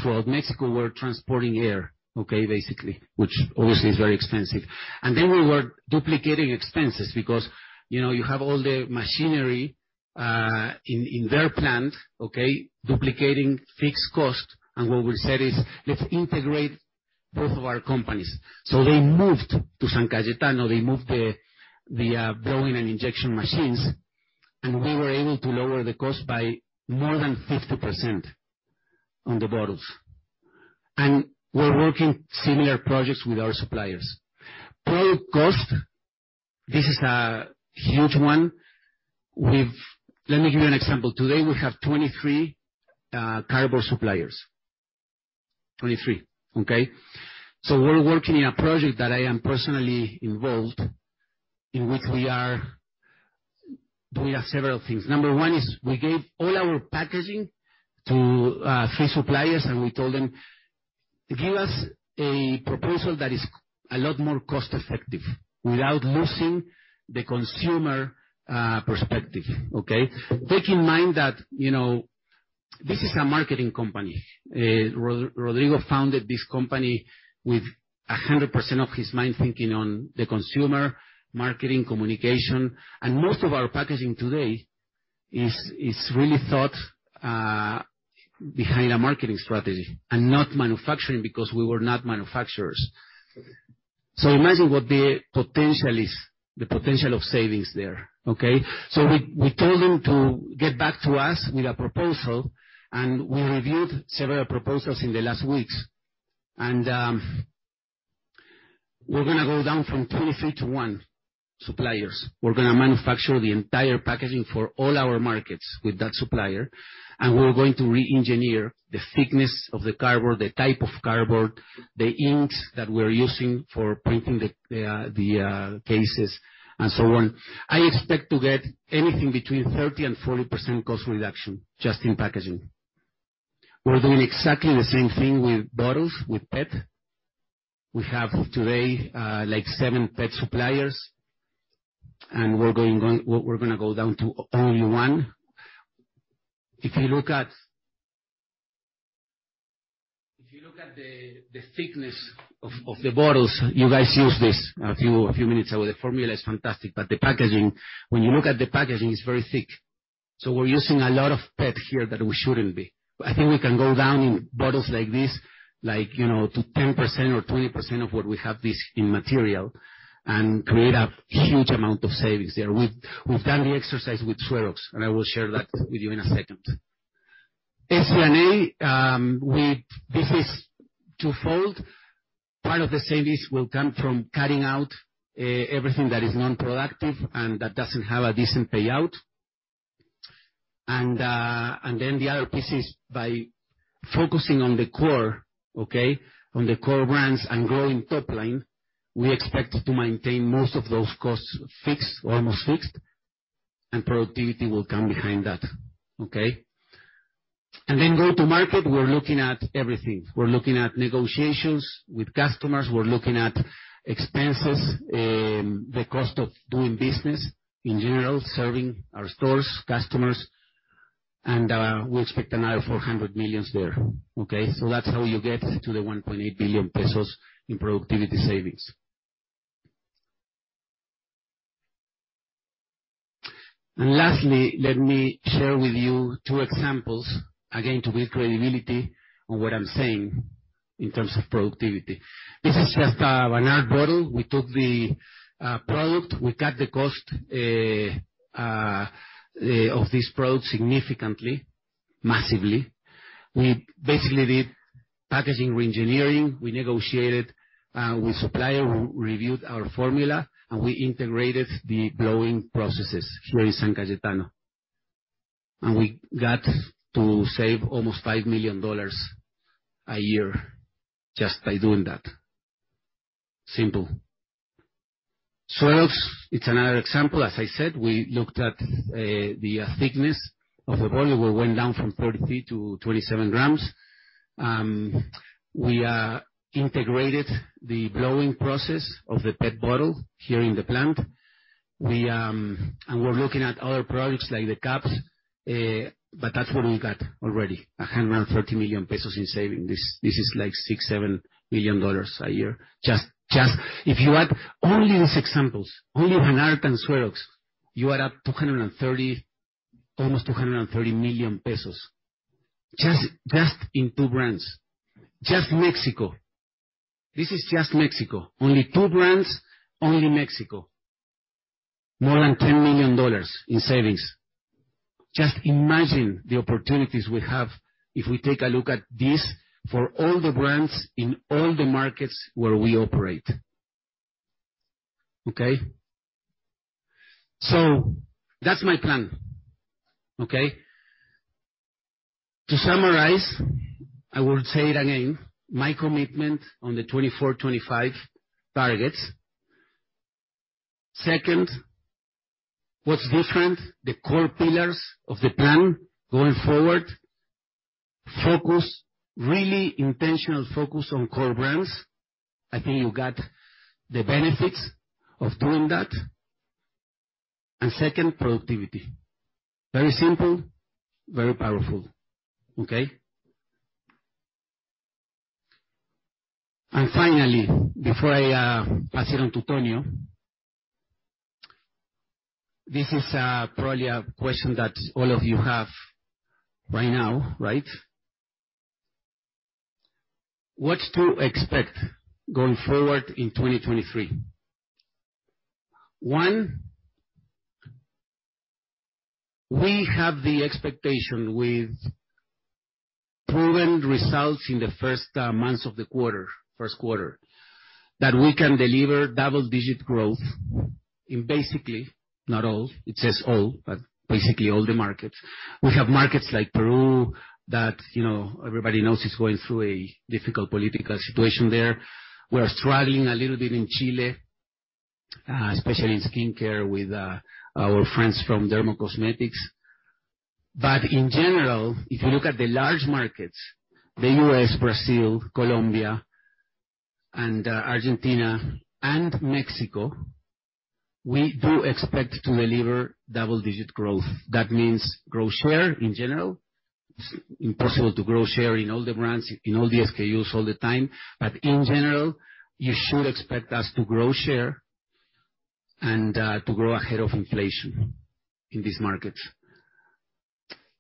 throughout Mexico, we're transporting air, okay, basically, which obviously is very expensive. We were duplicating expenses because, you know, you have all the machinery in their plant, okay, duplicating fixed cost and what we said is, "Let's integrate both of our companies." They moved to San Cayetano, they moved the blowing and injection machines, and we were able to lower the cost by more than 50% on the bottles. We're working similar projects with our suppliers. Product cost, this is a huge one. Let me give you an example. Today, we have 23 cardboard suppliers. 23, okay? We're working in a project that I am personally involved in which we are doing several things. Number one is we gave all our packaging to three suppliers, and we told them, "Give us a proposal that is a lot more cost-effective without losing the consumer perspective." Okay? Take in mind that, you know, this is a marketing company. Rodrigo founded this company with 100% of his mind thinking on the consumer, marketing, communication, and most of our packaging today is really thought behind a marketing strategy and not manufacturing because we were not manufacturers. Imagine what the potential is, the potential of savings there. Okay? We told them to get back to us with a proposal, and we reviewed several proposals in the last weeks. We're gonna go down from 23 to one suppliers. We're gonna manufacture the entire packaging for all our markets with that supplier, and we're going to re-engineer the thickness of the cardboard, the type of cardboard, the inks that we're using for printing the cases, and so on. I expect to get anything between 30% and 40% cost reduction just in packaging. We're doing exactly the same thing with bottles, with PET. We have today, like seven PET suppliers, and we're gonna go down to only one. If you look at the thickness of the bottles, you guys used this a few minutes ago. The formula is fantastic, but the packaging. When you look at the packaging, it's very thick. We're using a lot of PET here that we shouldn't be. I think we can go down in bottles like this, like, you know, to 10% or 20% of what we have this in material, and create a huge amount of savings there. We've done the exercise with SueroX, and I will share that with you in a second. SG&A, this is twofold. Part of the savings will come from cutting out everything that is non-productive and that doesn't have a decent payout. Then the other piece is by focusing on the core, okay? On the core brands and growing top line, we expect to maintain most of those costs fixed, almost fixed, and productivity will come behind that, okay? Then go-to-market, we're looking at everything. We're looking at negotiations with customers, we're looking at expenses, the cost of doing business in general, serving our stores, customers, and we expect another 400 million there, okay? That's how you get to the 1.8 billion pesos in productivity savings. Lastly, let me share with you two examples, again, to build credibility on what I'm saying in terms of productivity. This is just Vanart bottle. We took the product, we cut the cost of this product significantly, massively. We basically did packaging re-engineering. We negotiated with supplier. We reviewed our formula, and we integrated the blowing processes here in San Cayetano. We got to save almost $5 million a year just by doing that. Simple. SueroX, it's another example. As I said, we looked at the thickness of the bottle. We went down from 33 to 27 grams. We integrated the blowing process of the PET bottle here in the plant. We're looking at other products like the caps, but that's what we got already, 130 million pesos in saving. This is like $6 million-$7 million a year. Just if you add only these examples, only Vanart and SueroX, you add up 230, almost 230 million pesos. Just in two brands. Just Mexico. This is just Mexico. Only two brands, only Mexico. More than $10 million in savings. Just imagine the opportunities we have if we take a look at this for all the brands in all the markets where we operate. Okay? That's my plan. Okay? To summarize, I will say it again, my commitment on the 24/25 targets. Second, what's different, the core pillars of the plan going forward, focus, really intentional focus on core brands. I think you got the benefits of doing that. Second, productivity. Very simple, very powerful. Okay? Finally, before I pass it on to Tonio, this is probably a question that all of you have by now, right? What to expect going forward in 2023. One, we have the expectation with proven results in the 1st months of the quarter, Q1, that we can deliver double-digit growth in basically, not all, it says all, but basically all the markets. We have markets like Peru that, you know, everybody knows it's going through a difficult political situation there. We are struggling a little bit in Chile, especially in skincare with our friends from dermacosmetics. In general, if you look at the large markets, the U.S., Brazil, Colombia and Argentina and Mexico, we do expect to deliver double-digit growth. That means grow share in general. It's impossible to grow share in all the brands, in all the SKUs all the time. In general, you should expect us to grow share and to grow ahead of inflation in these markets.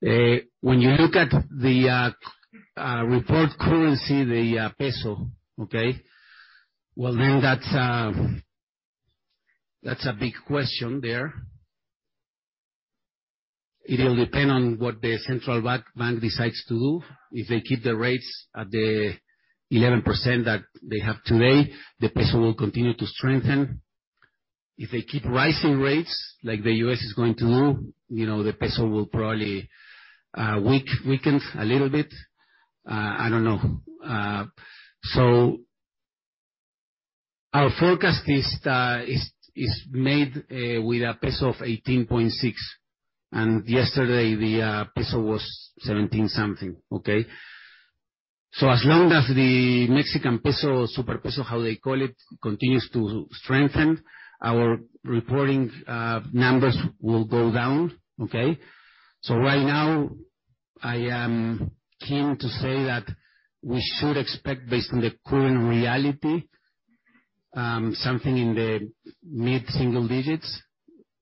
When you look at the report currency, the peso, okay? Well, that's a big question there. It will depend on what the central bank decides to do. If they keep the rates at the 11% that they have today, the peso will continue to strengthen. If they keep rising rates, like the U.S. is going to do, you know, the peso will probably weaken a little bit. I don't know. Our forecast is made with a peso of 18.6. Yesterday the peso was 17 something. Okay? As long as the Mexican peso, super peso, how they call it, continues to strengthen, our reporting numbers will go down. Okay? Right now, I am keen to say that we should expect based on the current reality, something in the mid-single digits,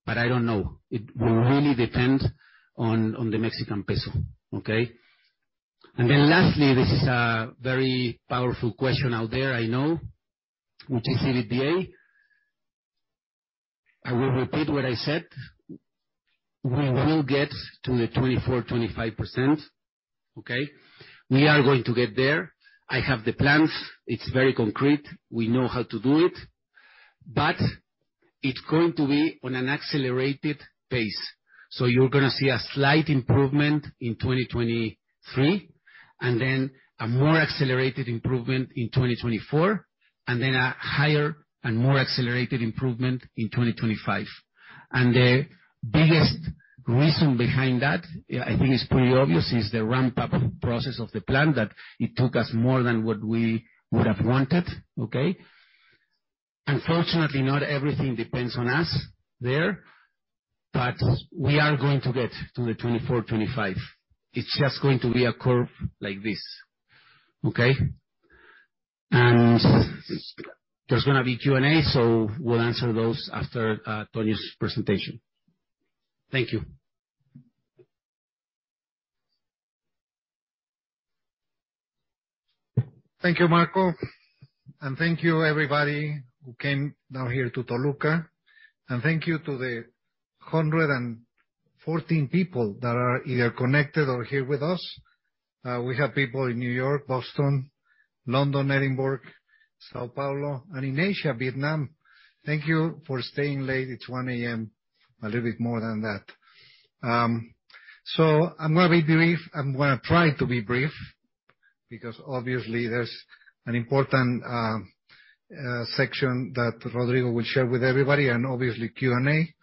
but I don't know. It will really depend on the Mexican peso. Okay? Lastly, this is a very powerful question out there, I know, which is EBITDA. I will repeat what I said. We will get to the 24%-25%. Okay? We are going to get there. I have the plans. It's very concrete. We know how to do it. It's going to be on an accelerated pace. You're gonna see a slight improvement in 2023, and then a more accelerated improvement in 2024, and then a higher and more accelerated improvement in 2025. The biggest reason behind that, I think is pretty obvious, is the ramp-up of process of the plan that it took us more than what we would have wanted. Okay? Unfortunately, not everything depends on us there, but we are going to get to the 2024, 2025. It's just going to be a curve like this. Okay? There's gonna Q&A, so we'll answer those after Tonyo's presentation. Thank you.
Thank you, Marco. Thank you everybody who came down here to Toluca. Thank you to the 114 people that are either connected or here with us. We have people in New York, Boston, London, Edinburgh, São Paulo, and in Asia, Vietnam. Thank you for staying late. It's 1 A.M., a little bit more than that. I'm gonna be brief. I'm gonna try to be brief because obviously there's an important section that Rodrigo will share with everybody and obviously Q&A.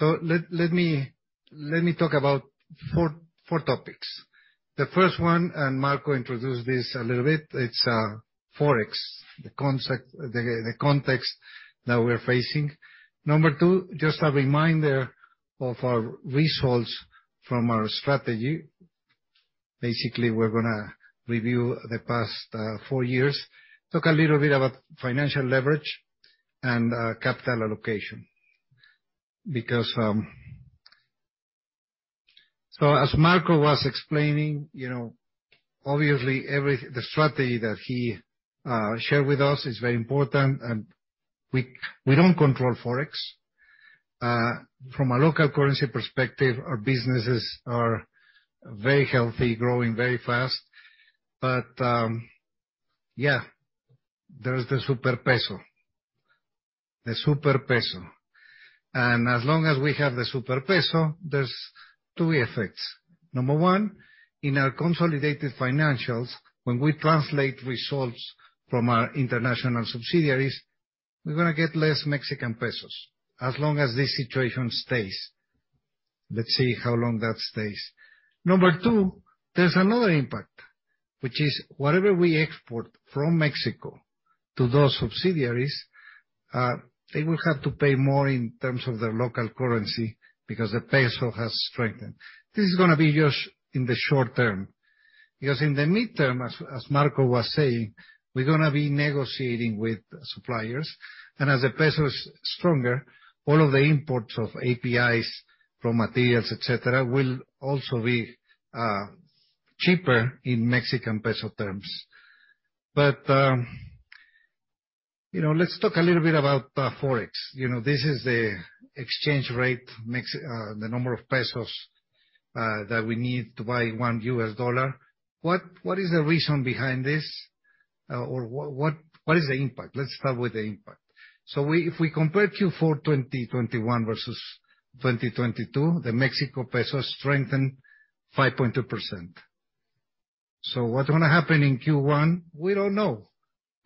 Let me talk about four topics. The first one, Marco introduced this a little bit, it's Forex, the context that we're facing. Number two, just a reminder of our results from our strategy. Basically, we're gonna review the past four years. Talk a little bit about financial leverage and capital allocation. As Marco was explaining, you know, obviously the strategy that he shared with us is very important and we don't control Forex. From a local currency perspective, our businesses are very healthy, growing very fast. Yeah, there's the super peso. The super peso. As long as we have the super peso, there's two effects. Number one, in our consolidated financials, when we translate results from our international subsidiaries, we're gonna get less Mexican pesos as long as this situation stays. Let's see how long that stays. Number two, there's another impact, which is whatever we export from Mexico to those subsidiaries, they will have to pay more in terms of their local currency because the peso has strengthened. This is gonna be just in the short term. In the midterm, as Marco was saying, we're gonna be negotiating with suppliers. As the peso is stronger, all of the imports of APIs, raw materials, et cetera, will also be cheaper in Mexican peso terms. You know, let's talk a little bit about Forex. You know, this is the exchange rate, the number of pesos that we need to buy one US dollar. What is the reason behind this? Or what is the impact? Let's start with the impact. If we compare Q4 2021 versus 2022, the Mexico peso strengthened 5.2%. What's gonna happen in Q1? We don't know.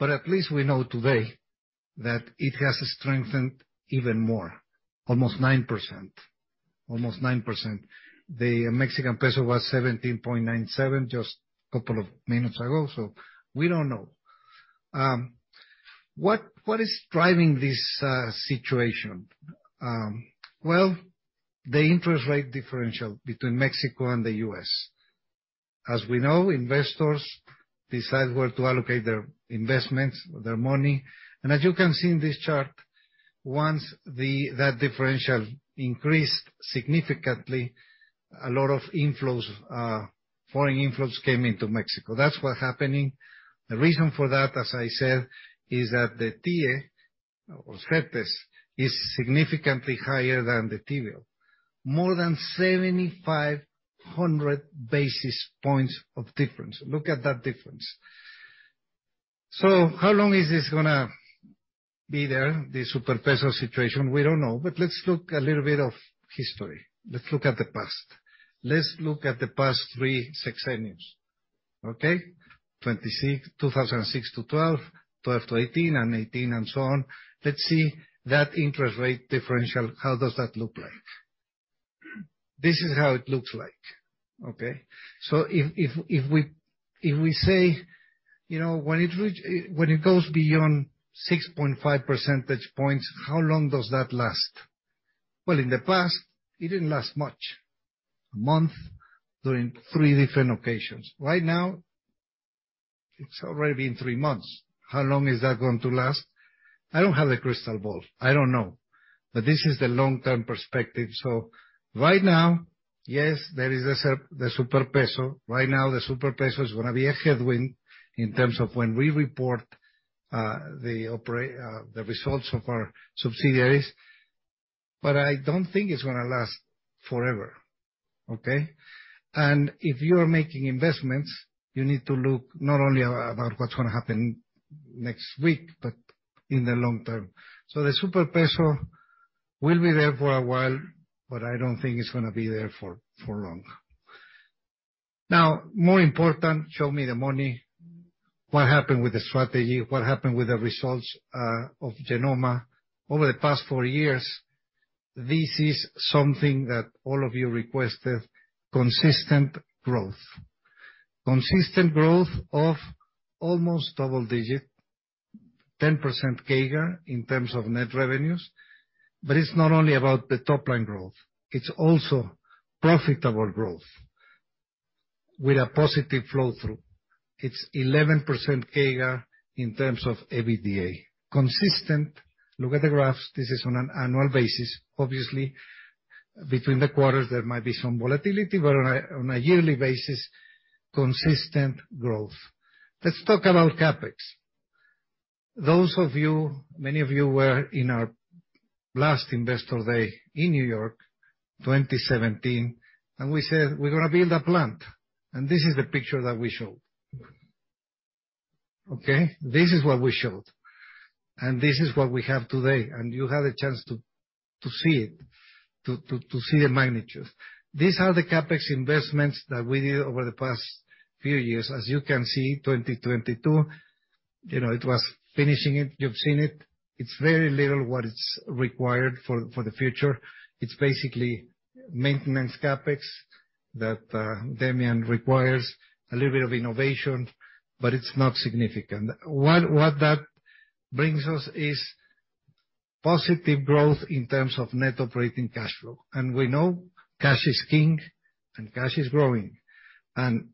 At least we know today that it has strengthened even more, almost 9%. Almost 9%. The Mexican peso was 17.97 just couple of minutes ago. What is driving this situation? The interest rate differential between Mexico and the US. As we know, investors decide where to allocate their investments, their money. As you can see in this chart, once that differential increased significantly, a lot of inflows, foreign inflows came into Mexico. That's what's happening. The reason for that, as I said, is that the TIIE or CETES is significantly higher than the T-bill. More than 7,500 basis points of difference. Look at that difference. How long is this gonna be there, the super peso situation, we don't know. Let's look a little bit of history. Let's look at the past. Let's look at the past three sexenios. Okay? 2006 to 2012 to 2018, and 2018 and so on. Let's see that interest rate differential, how does that look like? This is how it looks like. Okay? If we say, you know, when it goes beyond 6.5 percentage points, how long does that last? Well, in the past, it didn't last much. A month during three different occasions. Right now, it's already been three months. How long is that going to last? I don't have a crystal ball. I don't know. This is the long-term perspective. Right now, yes, there is the super peso. Right now, the super peso is gonna be a headwind in terms of when we report the results of our subsidiaries. I don't think it's gonna last forever, okay? If you are making investments, you need to look not only about what's gonna happen next week, but in the long term. The super peso will be there for a while, but I don't think it's gonna be there for long. More important, show me the money. What happened with the strategy? What happened with the results of Genomma over the past four years? This is something that all of you requested. Consistent growth. Consistent growth of almost double-digit, 10% CAGR in terms of net revenues. It's not only about the top-line growth, it's also profitable growth with a positive flow through. It's 11% CAGR in terms of EBITDA. Consistent. Look at the graphs. This is on an annual basis. Obviously, between the quarters, there might be some volatility, but on a yearly basis, consistent growth. Let's talk about Capex. Those of you, many of you were in our last investor day in New York, 2017, we said, "We're gonna build a plant." This is the picture that we showed. Okay? This is what we showed, and this is what we have today. You had a chance to see it, to see the magnitude. These are the Capex investments that we did over the past few years. As you can see, 2022, you know, it was finishing it. You've seen it. It's very little what it's required for the future. It's basically maintenance Capex that Demian requires, a little bit of innovation, but it's not significant. What that brings us is positive growth in terms of net operating cash flow. We know cash is king, and cash is growing.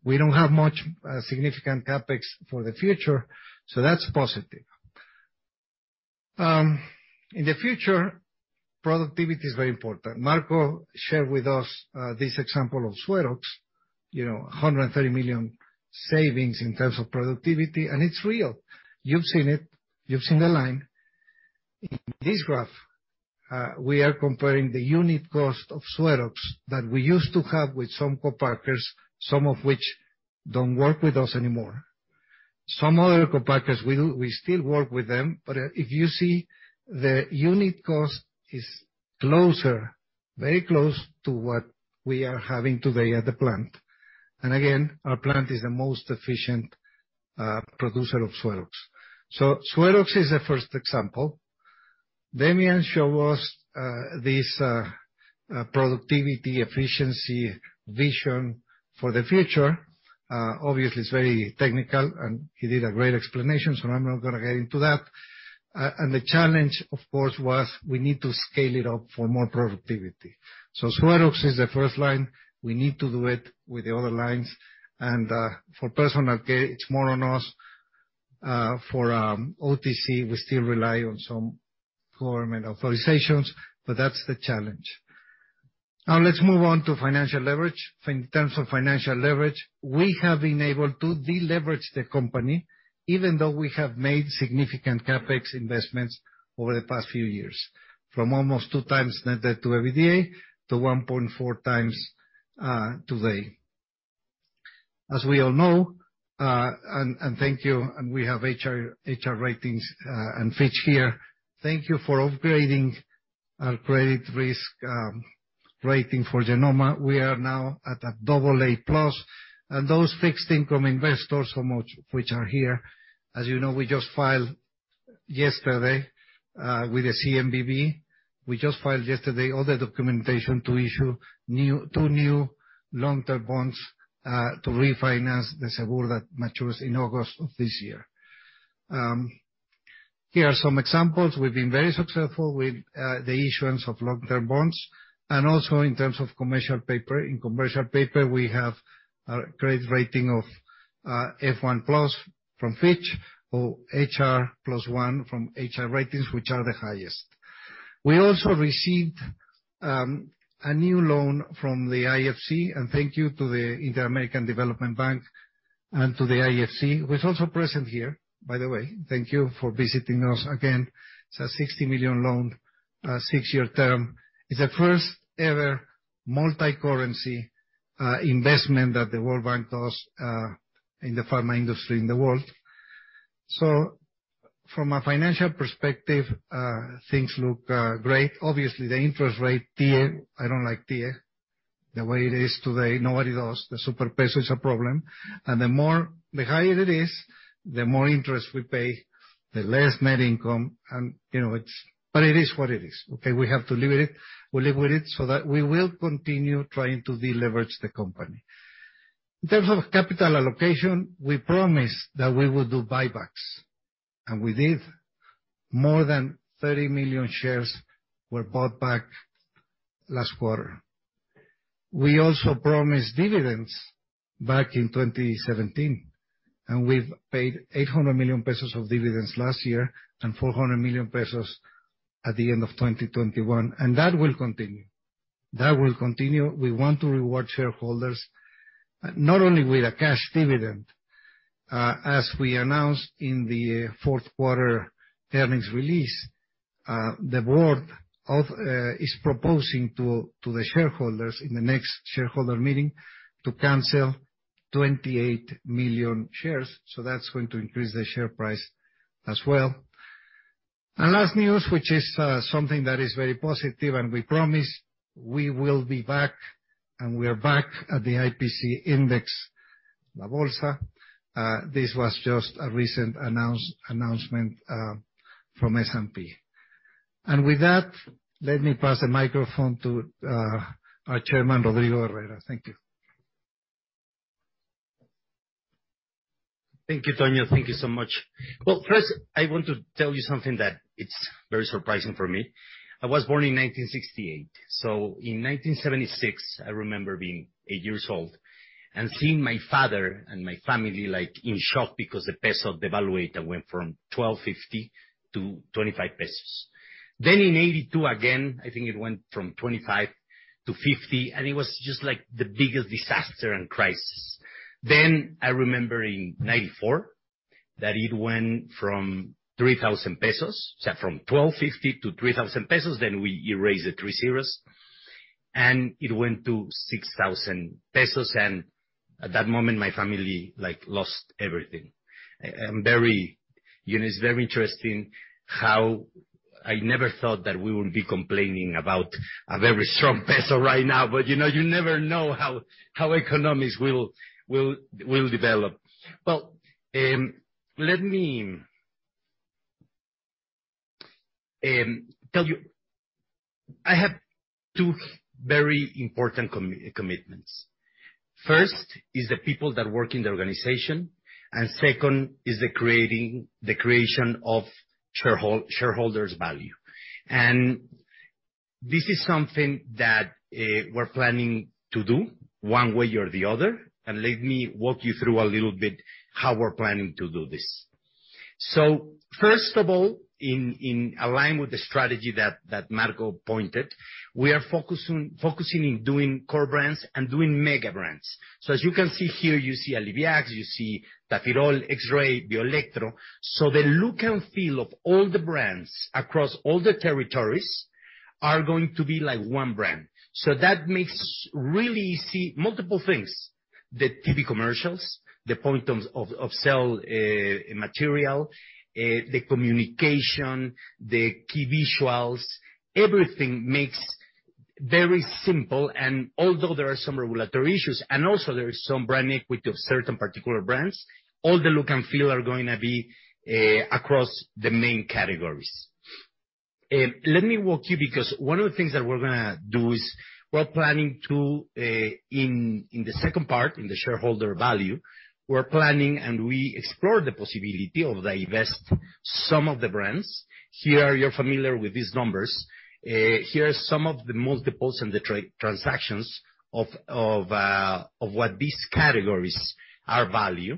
We don't have much significant Capex for the future, so that's positive. In the future, productivity is very important. Marco shared with us this example of SueroX, you know, 130 million savings in terms of productivity, and it's real. You've seen it. You've seen the line. In this graph, we are comparing the unit cost of SueroX that we used to have with some co-packers, some of which don't work with us anymore. Some other co-packers, we still work with them. If you see, the unit cost is closer, very close to what we are having today at the plant. Again, our plant is the most efficient producer of SueroX. SueroX is a first example. Demian show us this productivity, efficiency vision for the future. Obviously, it's very technical, he did a great explanation, I'm not gonna get into that. The challenge, of course, was we need to scale it up for more productivity. SueroX is the first line. We need to do it with the other lines. For Personal Care, it's more on us. For OTC, we still rely on some government authorizations, that's the challenge. Now let's move on to financial leverage. In terms of financial leverage, we have been able to deleverage the company, even though we have made significant Capex investments over the past few years, from almost two times net debt to EBITDA to 1.4 times today. As we all know, and thank you, we have HR Ratings and Fitch here. Thank you for upgrading our credit risk rating for Genomma. We are now at a AA+. Those fixed income investors for which are here, as you know, we just filed yesterday with the CNBV. We just filed yesterday all the documentation to issue two new long-term bonds to refinance the Cebures that matures in August of this year. Here are some examples. We've been very successful with the issuance of long-term bonds and also in terms of commercial paper. In commercial paper, we have a credit rating of F1+ from Fitch or HR+1 from HR Ratings, which are the highest. We also received a new loan from the IFC, and thank you to the Inter-American Development Bank and to the IFC, who is also present here, by the way. Thank you for visiting us again. It's a 60 million loan, 6-year term. It's the first ever multi-currency investment that the World Bank does in the pharma industry in the world. From a financial perspective, things look great. Obviously, the interest rate TIIE, I don't like TIIE the way it is today. Nobody does. The super peso is a problem, the higher it is, the more interest we pay, the less Net Income, you know, it's. It is what it is, okay? We have to live with it. We live with it so that we will continue trying to deleverage the company. In terms of capital allocation, we promised that we would do buybacks, and we did. More than 30 million shares were bought back last quarter. We also promised dividends back in 2017, and we've paid 800 million pesos of dividends last year and 400 million pesos at the end of 2021, and that will continue. That will continue. We want to reward shareholders not only with a cash dividend. As we announced in the Q4 earnings release, the board is proposing to the shareholders in the next shareholder meeting to cancel 28 million shares. That's going to increase the share price as well. Last news, which is something that is very positive and we promise we will be back, and we are back at the IPC index, La Bolsa. This was just a recent announcement from S&P. With that, let me pass the microphone to our chairman, Rodrigo Herrera. Thank you.
Thank you, Antonio. Thank you so much. Well, first, I want to tell you something that it's very surprising for me. I was born in 1968. In 1976, I remember being eight years old and seeing my father and my family, like, in shock because the peso devaluate went from 12.50 to 25 pesos. In 1982, again, I think it went from 25 to 50, it was just like the biggest disaster and crisis. I remember in 1994 that it went from 3,000 pesos. From 12.50 to 3,000 pesos, we erase the three zeros, and it went to 6,000 pesos. And at that moment, my family, like, lost everything. And very... You know, it's very interesting how I never thought that we would be complaining about a very strong peso right now, but, you know, you never know how economies will develop. Well, let me tell you. I have two very important commitments. First is the people that work in the organization, and second is the creation of shareholders' value. This is something that we're planning to do one way or the other, and let me walk you through a little bit how we're planning to do this. First of all, in align with the strategy that Marco pointed, we are focusing in doing core brands and doing mega brands. As you can see here, you see Aliviax, you see Tafirol, X-Ray, BioElectro. The look and feel of all the brands across all the territories are going to be like one brand. That makes really see multiple things. The TV commercials, the point of sell material, the communication, the key visuals, everything makes very simple. Although there are some regulatory issues, and also there is some brand equity of certain particular brands, all the look and feel are gonna be across the main categories. Let me walk you because one of the things that we're gonna do is we're planning to in the second part, in the shareholder value, we're planning and we explore the possibility of divest some of the brands. Here, you're familiar with these numbers. Here are some of the multiples in the transactions of what these categories are value.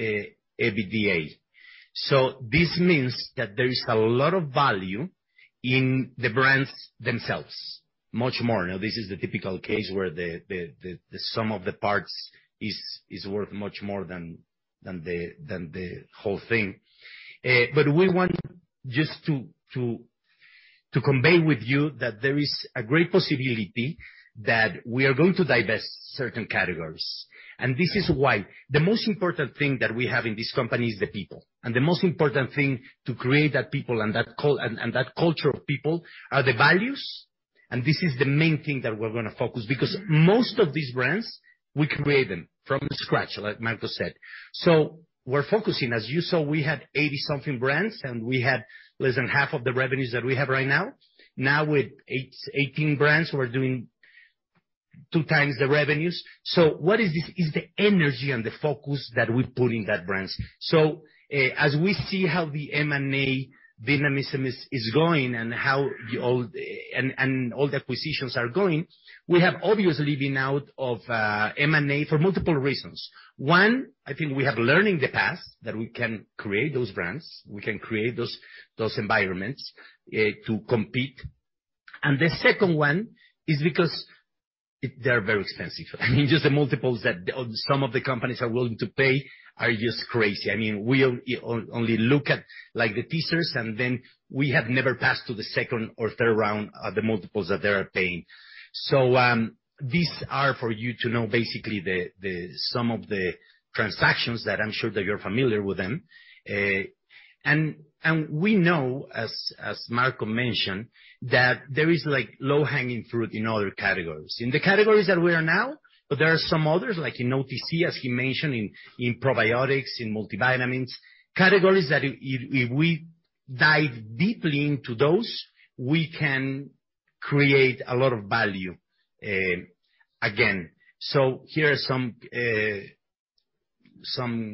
As you can see, the average in the past years, it's been 16.3 times EBITDA. This means that there is a lot of value in the brands themselves, much more. Now, this is the typical case where the sum of the parts is worth much more than the whole thing. We want just to convey with you that there is a great possibility that we are going to divest certain categories. This is why. The most important thing that we have in this company is the people, and the most important thing to create that people and that culture of people are the values, and this is the main thing that we're gonna focus. Most of these brands, we create them from scratch, like Marco said. We're focusing. As you saw, we had 80 something brands, and we had less than half of the revenues that we have right now. Now with 18 brands, we're doing two times the revenues. What is this? It's the energy and the focus that we put in that brands. As we see how the M&A dynamism is going and how the old... And all the acquisitions are going, we have obviously been out of M&A for multiple reasons. One, I think we have learned in the past that we can create those brands, we can create those environments to compete. The second one is because they are very expensive. I mean, just the multiples that the some of the companies are willing to pay are just crazy. I mean, we only look at, like, the teasers, and then we have never passed to the second or third round of the multiples that they are paying. These are for you to know basically the some of the transactions that I'm sure that you're familiar with them. And we know, as Marco mentioned, that there is, like, low-hanging fruit in other categories. In the categories that we are now, but there are some others, like in OTC, as he mentioned, in probiotics, in multivitamins, categories that if we dive deeply into those, we can create a lot of value again. Here are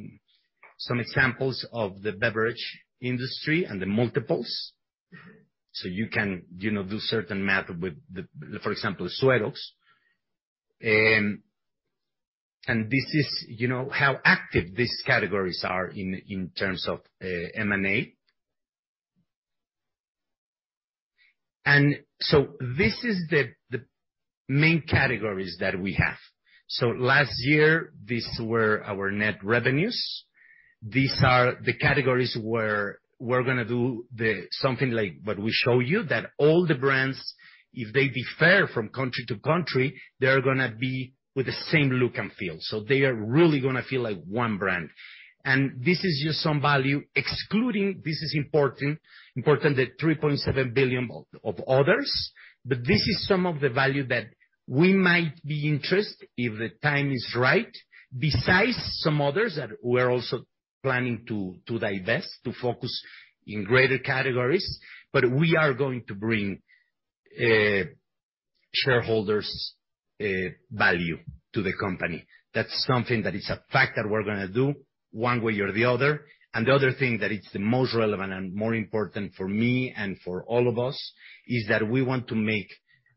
some examples of the beverage industry and the multiples. You can, you know, do certain math with the... For example, Sueros. This is, you know, how active these categories are in terms of M&A. This is the main categories that we have. Last year, these were our net revenues. These are the categories where we're gonna do something like what we show you, that all the brands, if they differ from country to country, they're gonna be with the same look and feel. They are really gonna feel like one brand. This is just some value excluding, this is important, the 3.7 billion of others. This is some of the value that we might be interest if the time is right, besides some others that we're also planning to divest, to focus in greater categories. We are going to bring shareholders' value to the company. That's something that is a fact that we're gonna do one way or the other. The other thing that is the most relevant and more important for me and for all of us, is that we want to make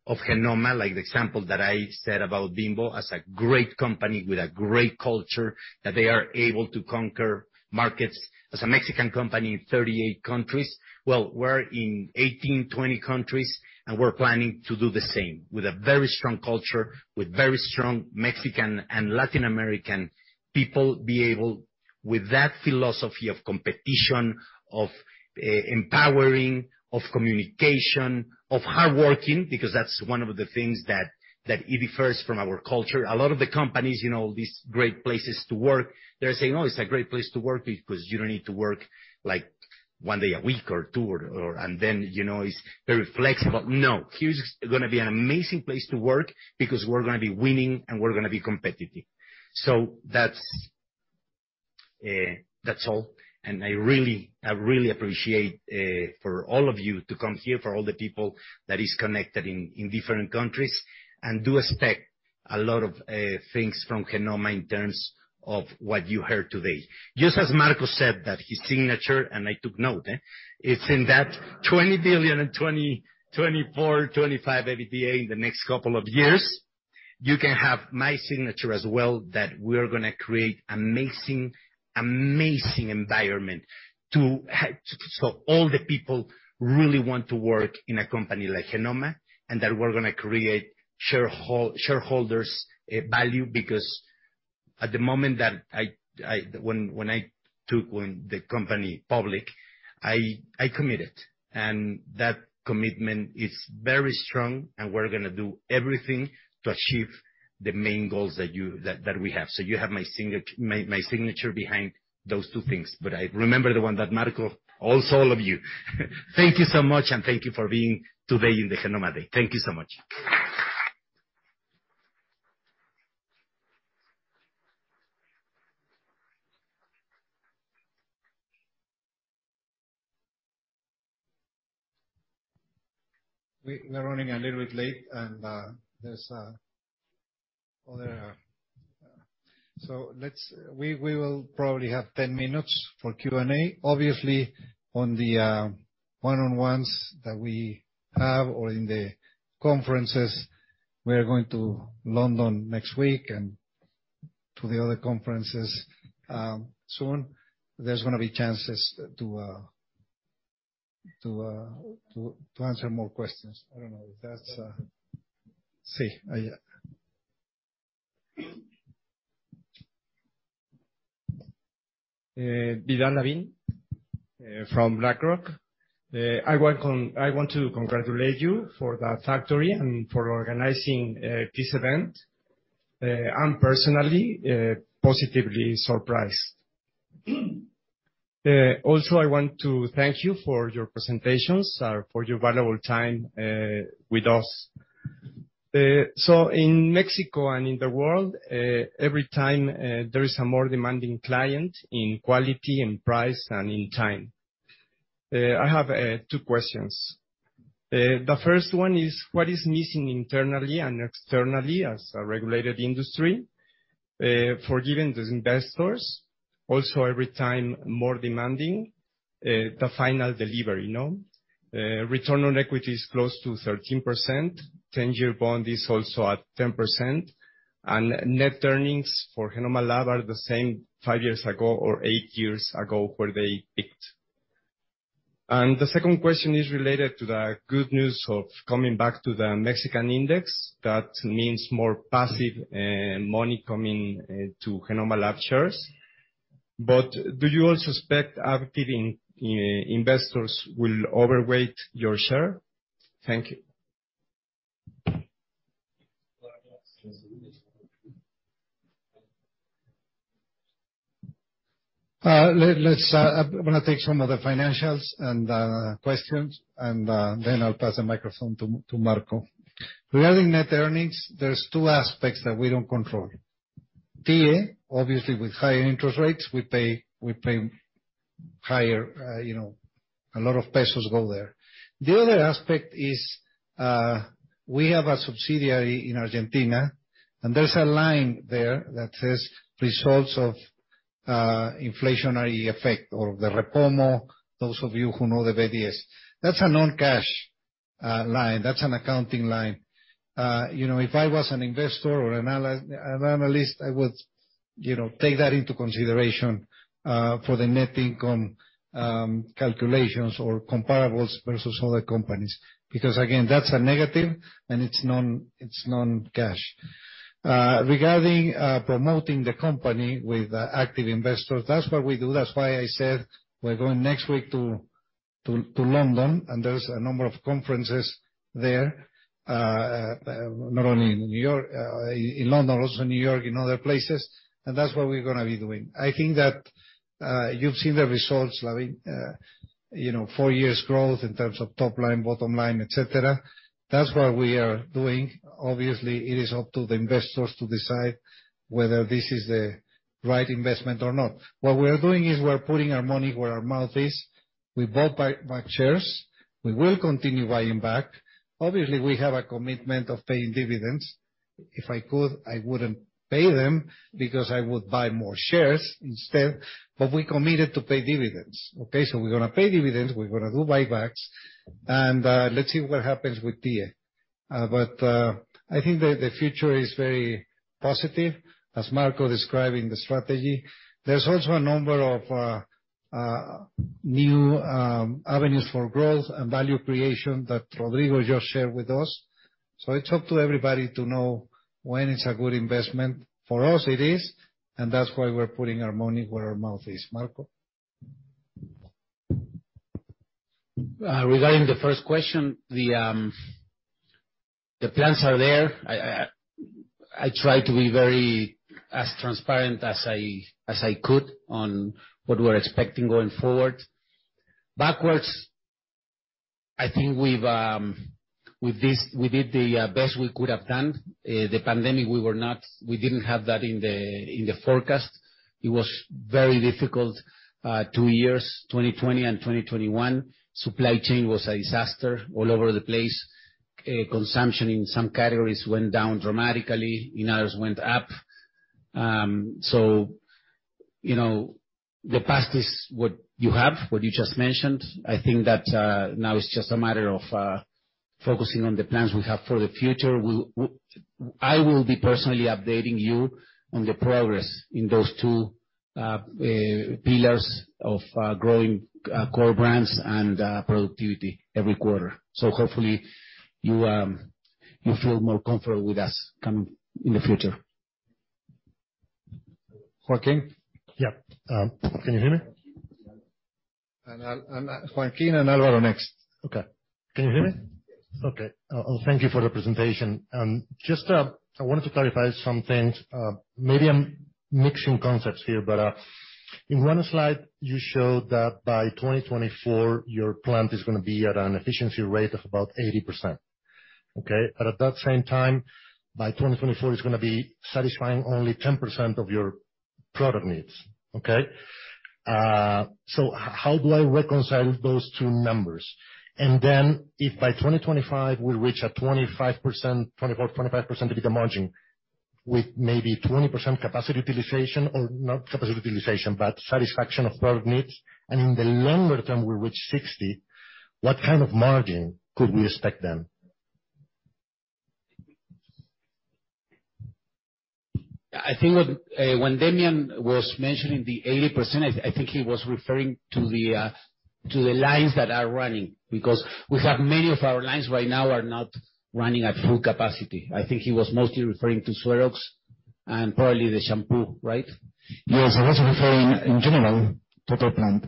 of Genomma, like the example that I said about Bimbo as a great company with a great culture, that they are able to conquer markets as a Mexican company in 38 countries. We're in 18, 20 countries, and we're planning to do the same with a very strong culture, with very strong Mexican and Latin American people be able, with that philosophy of competition, of empowering, of communication, of hardworking, because that's one of the things that it differs from our culture. A lot of the companies, you know, these great places to work, they're saying, "Oh, it's a great place to work because you don't need to work, like, one day a week or two. Then, you know, it's very flexible." No. Here's gonna be an amazing place to work because we're gonna be winning and we're gonna be competitive. That's all. I really, I really appreciate for all of you to come here, for all the people that is connected in different countries, and do expect a lot of things from Genomma in terms of what you heard today. Just as Marco said that his signature, and I took note, it's in that 20 billion in 2024, 2025 EBITDA in the next couple of years, you can have my signature as well that we are gonna create amazing environment so all the people really want to work in a company like Genomma, and that we're gonna create shareholders' value because at the moment that I When I took when the company public, I committed, and that commitment is very strong, and we're gonna do everything to achieve the main goals that we have. You have my signature behind those two things. I remember the one that Marco, also all of you. Thank you so much, and thank you for being today in the Genomma day. Thank you so much.
We're running a little bit late and there's a... Well, there are... We will probably have 10 minutes for Q&A. Obviously, on the one-on-ones that we have or in the conferences, we are going to London next week and to the other conferences soon. There's gonna be chances to answer more questions. I don't know if that's... Si.
Vidal Lavin, from BlackRock. I want to congratulate you for that factory and for organizing this event. I'm personally positively surprised. I want to thank you for your presentations or for your valuable time with us. In Mexico and in the world, every time, there is a more demanding client in quality, in price, and in time. I have two questions. The first one is, what is missing internally and externally as a regulated industry, for giving these investors also every time more demanding, the final delivery, no? Return on equity is close to 13%, 10-year bond is also at 10%, and net earnings for Genomma Lab are the same five years ago or eight years ago where they peaked. The second question is related to the good news of coming back to the Mexican index. That means more passive money coming to Genomma Lab shares. Do you also expect active investors will overweight your share? Thank you.
I'm going to take some of the financials and questions, then I'll pass the microphone to Marco. Regarding net earnings, there's two aspects that we don't control. PA, obviously, with higher interest rates, we pay higher, a lot of MXN go there. The other aspect is, we have a subsidiary in Argentina, and there's a line there that says, "Results of inflationary effect or the repo, those of you who know the BONDES." That's a non-cash line. That's an accounting line. If I was an investor or an analyst, I would take that into consideration for the Net Income calculations or comparables versus other companies, because again, that's a negative and it's non-cash. Regarding promoting the company with active investors, that's what we do. That's why I said we're going next week to London. There's a number of conferences there, not only in New York, in London, also in New York, in other places. That's what we're gonna be doing. I think that you've seen the results, I mean, you know, four years growth in terms of top line, bottom line, et cetera. That's what we are doing. Obviously, it is up to the investors to decide whether this is the right investment or not. What we are doing is we're putting our money where our mouth is. We bought back shares. We will continue buying back. Obviously, we have a commitment of paying dividends. If I could, I wouldn't pay them because I would buy more shares instead. We committed to pay dividends. Okay. We're gonna pay dividends, we're gonna do buybacks, and let's see what happens with PA. I think the future is very positive, as Marco describing the strategy. There's also a number of new avenues for growth and value creation that Rodrigo just shared with us. It's up to everybody to know when it's a good investment. For us, it is, and that's why we're putting our money where our mouth is. Marco.
Regarding the first question, the plans are there. I try to be as transparent as I could on what we're expecting going forward. Backwards, I think we've with this, we did the best we could have done. The pandemic, we didn't have that in the forecast. It was very difficult, two years, 2020 and 2021. Supply chain was a disaster all over the place. Consumption in some categories went down dramatically, in others went up. you know, the past is what you have, what you just mentioned. I think that, now it's just a matter of focusing on the plans we have for the future. I will be personally updating you on the progress in those two pillars of growing core brands and productivity every quarter. Hopefully you feel more comfortable with us in the future.
Joaquin?
Yeah. Can you hear me?
Joaquin and Alvaro next.
Okay. Can you hear me?
Yes.
Okay. Thank you for the presentation. Just, I wanted to clarify some things. Maybe I'm mixing concepts here, but in one slide, you showed that by 2024, your plant is gonna be at an efficiency rate of about 80%. Okay? At that same time, by 2024, it's gonna be satisfying only 10% of your product needs. Okay? How do I reconcile those two numbers? If by 2025, we reach a 25%, 24%-25% EBITDA margin with maybe 20% capacity utilization, or not capacity utilization, but satisfaction of product needs, and in the longer term, we reach 60%, what kind of margin could we expect then?
I think what, when Demian was mentioning the 80%, I think he was referring to the, to the lines that are running, because we have many of our lines right now are not running at full capacity. I think he was mostly referring to SueroX and probably the shampoo, right?
Yes. I was referring in general total plant.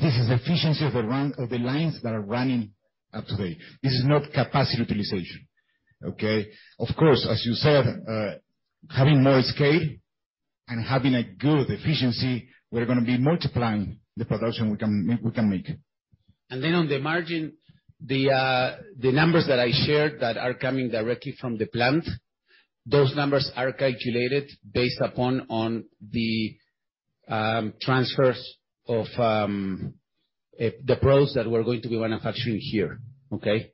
This is efficiency of the lines that are running up to date. This is not capacity utilization. Okay? Of course, as you said, having more scale and having a good efficiency, we're gonna be multiplying the production we can make.
On the margin, the numbers that I shared that are coming directly from the plant, those numbers are calculated based upon the transfers of the products that we're going to be manufacturing here. Okay.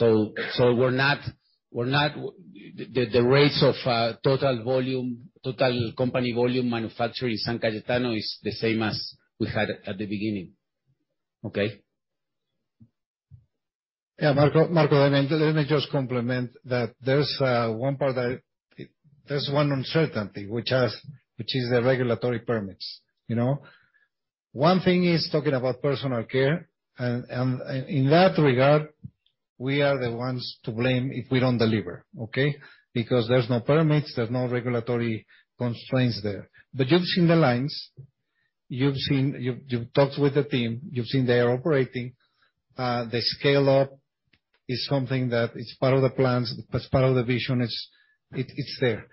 We're not, the rates of total volume, total company volume manufactured in San Cayetano is the same as we had at the beginning. Okay.
Yeah, Marco, let me just complement that there's one uncertainty which is the regulatory permits, you know? One thing is talking about personal care and in that regard, we are the ones to blame if we don't deliver, okay? There's no permits, there's no regulatory constraints there. You've seen the lines, you've talked with the team, you've seen they are operating. The scale-up is something that is part of the plans. As part of the vision, it's there.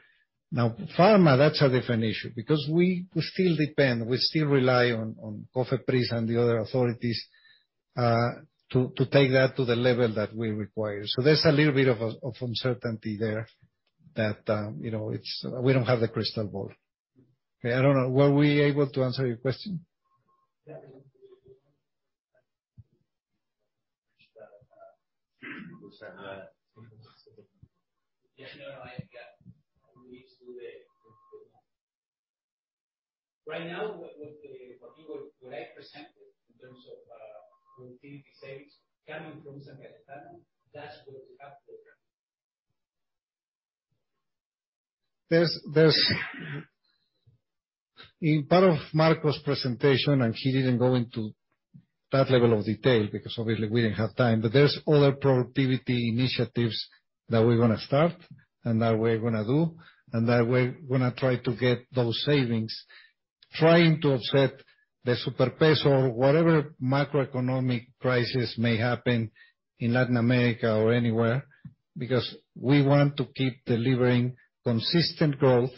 Pharma, that's a different issue because we still depend, we still rely on COFEPRIS and the other authorities to take that to the level that we require. There's a little bit of uncertainty there that, you know, we don't have the crystal ball.
Okay. I don't know. Were we able to answer your question?
Yeah. Yes. No, no, I get. Right now, what I presented in terms of productivity savings coming from San Cayetano.
In part of Marco's presentation, he didn't go into that level of detail because obviously we didn't have time, but there's other productivity initiatives that we're gonna start and that we're gonna do, and that we're gonna try to get those savings, trying to offset the super peso, whatever macroeconomic crisis may happen in Latin America or anywhere, because we want to keep delivering consistent growth,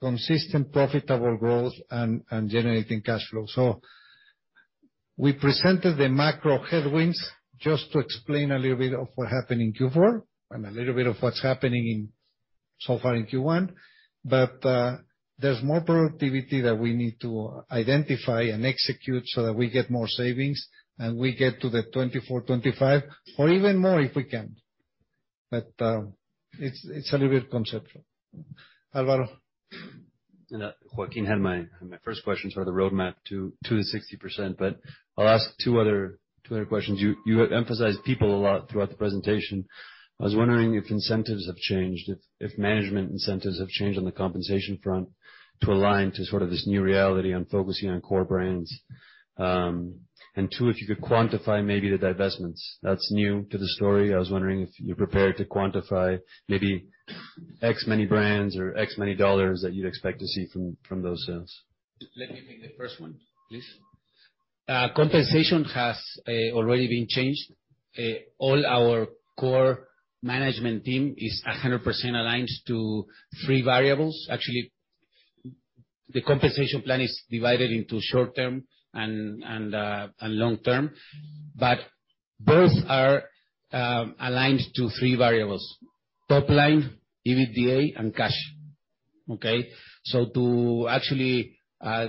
consistent profitable growth and generating cash flow. We presented the macro headwinds just to explain a little bit of what happened in Q4 and a little bit of what's happening so far in Q1. There's more productivity that we need to identify and execute so that we get more savings, and we get to the 2024, 2025, or even more if we can. It's a little bit conceptual. Alvaro?
You know, Joaquin had my first question, sort of the roadmap to the 60%, but I'll ask two other questions. You emphasized people a lot throughout the presentation. I was wondering if incentives have changed, if management incentives have changed on the compensation front to align to sort of this new reality on focusing on core brands. Two, if you could quantify maybe the divestments. That's new to the story. I was wondering if you're prepared to quantify maybe X many brands or $X many that you'd expect to see from those sales.
Let me take the first one, please. Compensation has already been changed. All our core management team is 100% aligned to three variables. Actually, the compensation plan is divided into short-term and long-term, but both are aligned to three variables: top line, EBITDA, and cash. To actually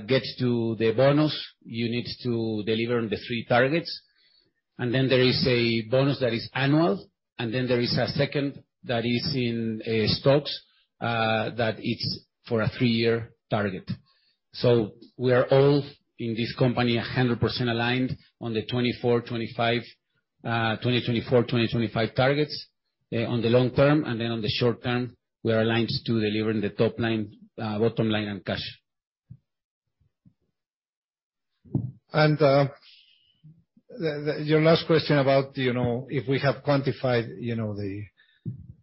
get to the bonus, you need to deliver on the three targets, and then there is a bonus that is annual, and then there is a second that is in stocks that it's for a 3-year target. We are all in this company 100% aligned on the 2024, 2025 targets on the long term, and then on the short term, we are aligned to deliver the top line, bottom line, and cash.
The... Your last question about, you know, if we have quantified, you know, the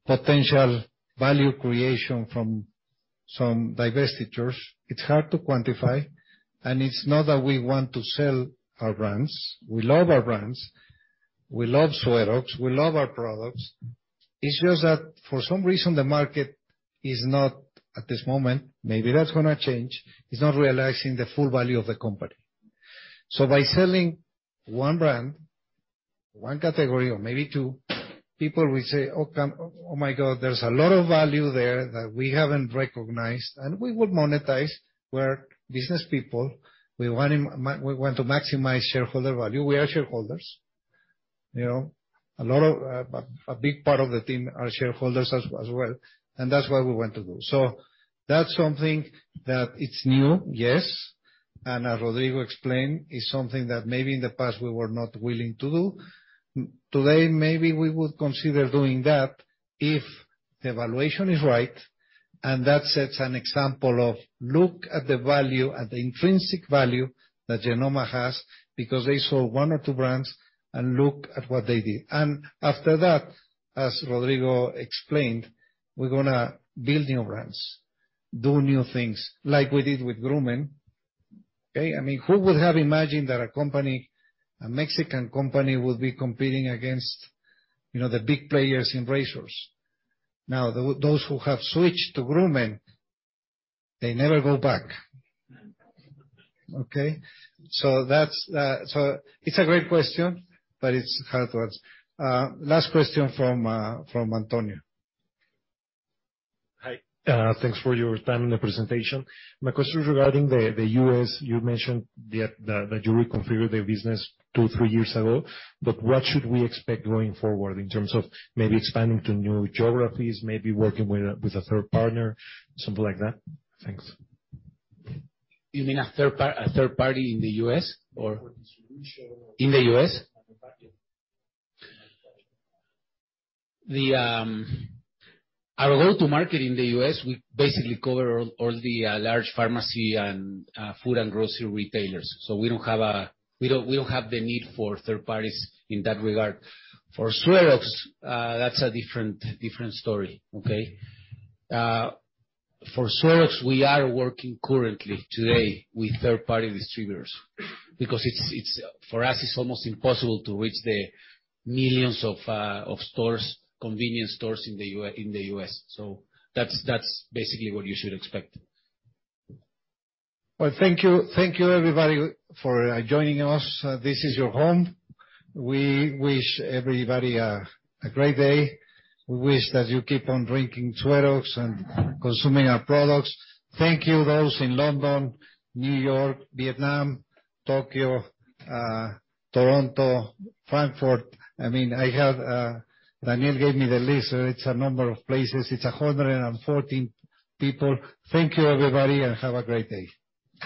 potential value creation from some divestitures, it's hard to quantify, and it's not that we want to sell our brands. We love our brands. We love SueroX. We love our products. It's just that for some reason, the market is not, at this moment, maybe that's gonna change, is not realizing the full value of the company. By selling one brand, one category or maybe two, people will say, "Oh, come... Oh my God, there's a lot of value there that we haven't recognized," and we would monetize. We're business people. We want to maximize shareholder value. We are shareholders, you know. A lot of a big part of the team are shareholders as well, and that's what we want to do. That's something that it's new, yes. As Rodrigo explained, it's something that maybe in the past we were not willing to do. Today, maybe we would consider doing that if the valuation is right, and that sets an example of look at the value, at the intrinsic value that Genomma has because they saw one or two brands and look at what they did. After that, as Rodrigo explained, we're gonna build new brands, do new things like we did with Groomen. Okay? I mean, who would have imagined that a company, a Mexican company would be competing against, you know, the big players in razors? Now, those who have switched to Groomen, they never go back. Okay? That's. It's a great question, but it's hard to answer. Last question from Antonio.
Hi, thanks for your time and the presentation. My question is regarding the U.S. You mentioned that you reconfigured the business two, three years ago. What should we expect going forward in terms of maybe expanding to new geographies, maybe working with a third partner, something like that? Thanks.
You mean a third party in the US or?
For distribution.
In the U.S.?
Manufacturing.
The, our go-to-market in the U.S., we basically cover all the large pharmacy and food and grocery retailers. We don't have the need for third parties in that regard. For SueroX, that's a different story, okay? For SueroX, we are working currently today with third-party distributors because it's for us, it's almost impossible to reach the millions of stores, convenience stores in the U.S. That's basically what you should expect.
Well, thank you. Thank you, everybody, for joining us. This is your home. We wish everybody a great day. We wish that you keep on drinking SueroX and consuming our products. Thank you, those in London, New York, Vietnam, Tokyo, Toronto, Frankfurt. I mean, Daniel gave me the list. It's a number of places. It's 114 people. Thank you, everybody, and have a great day.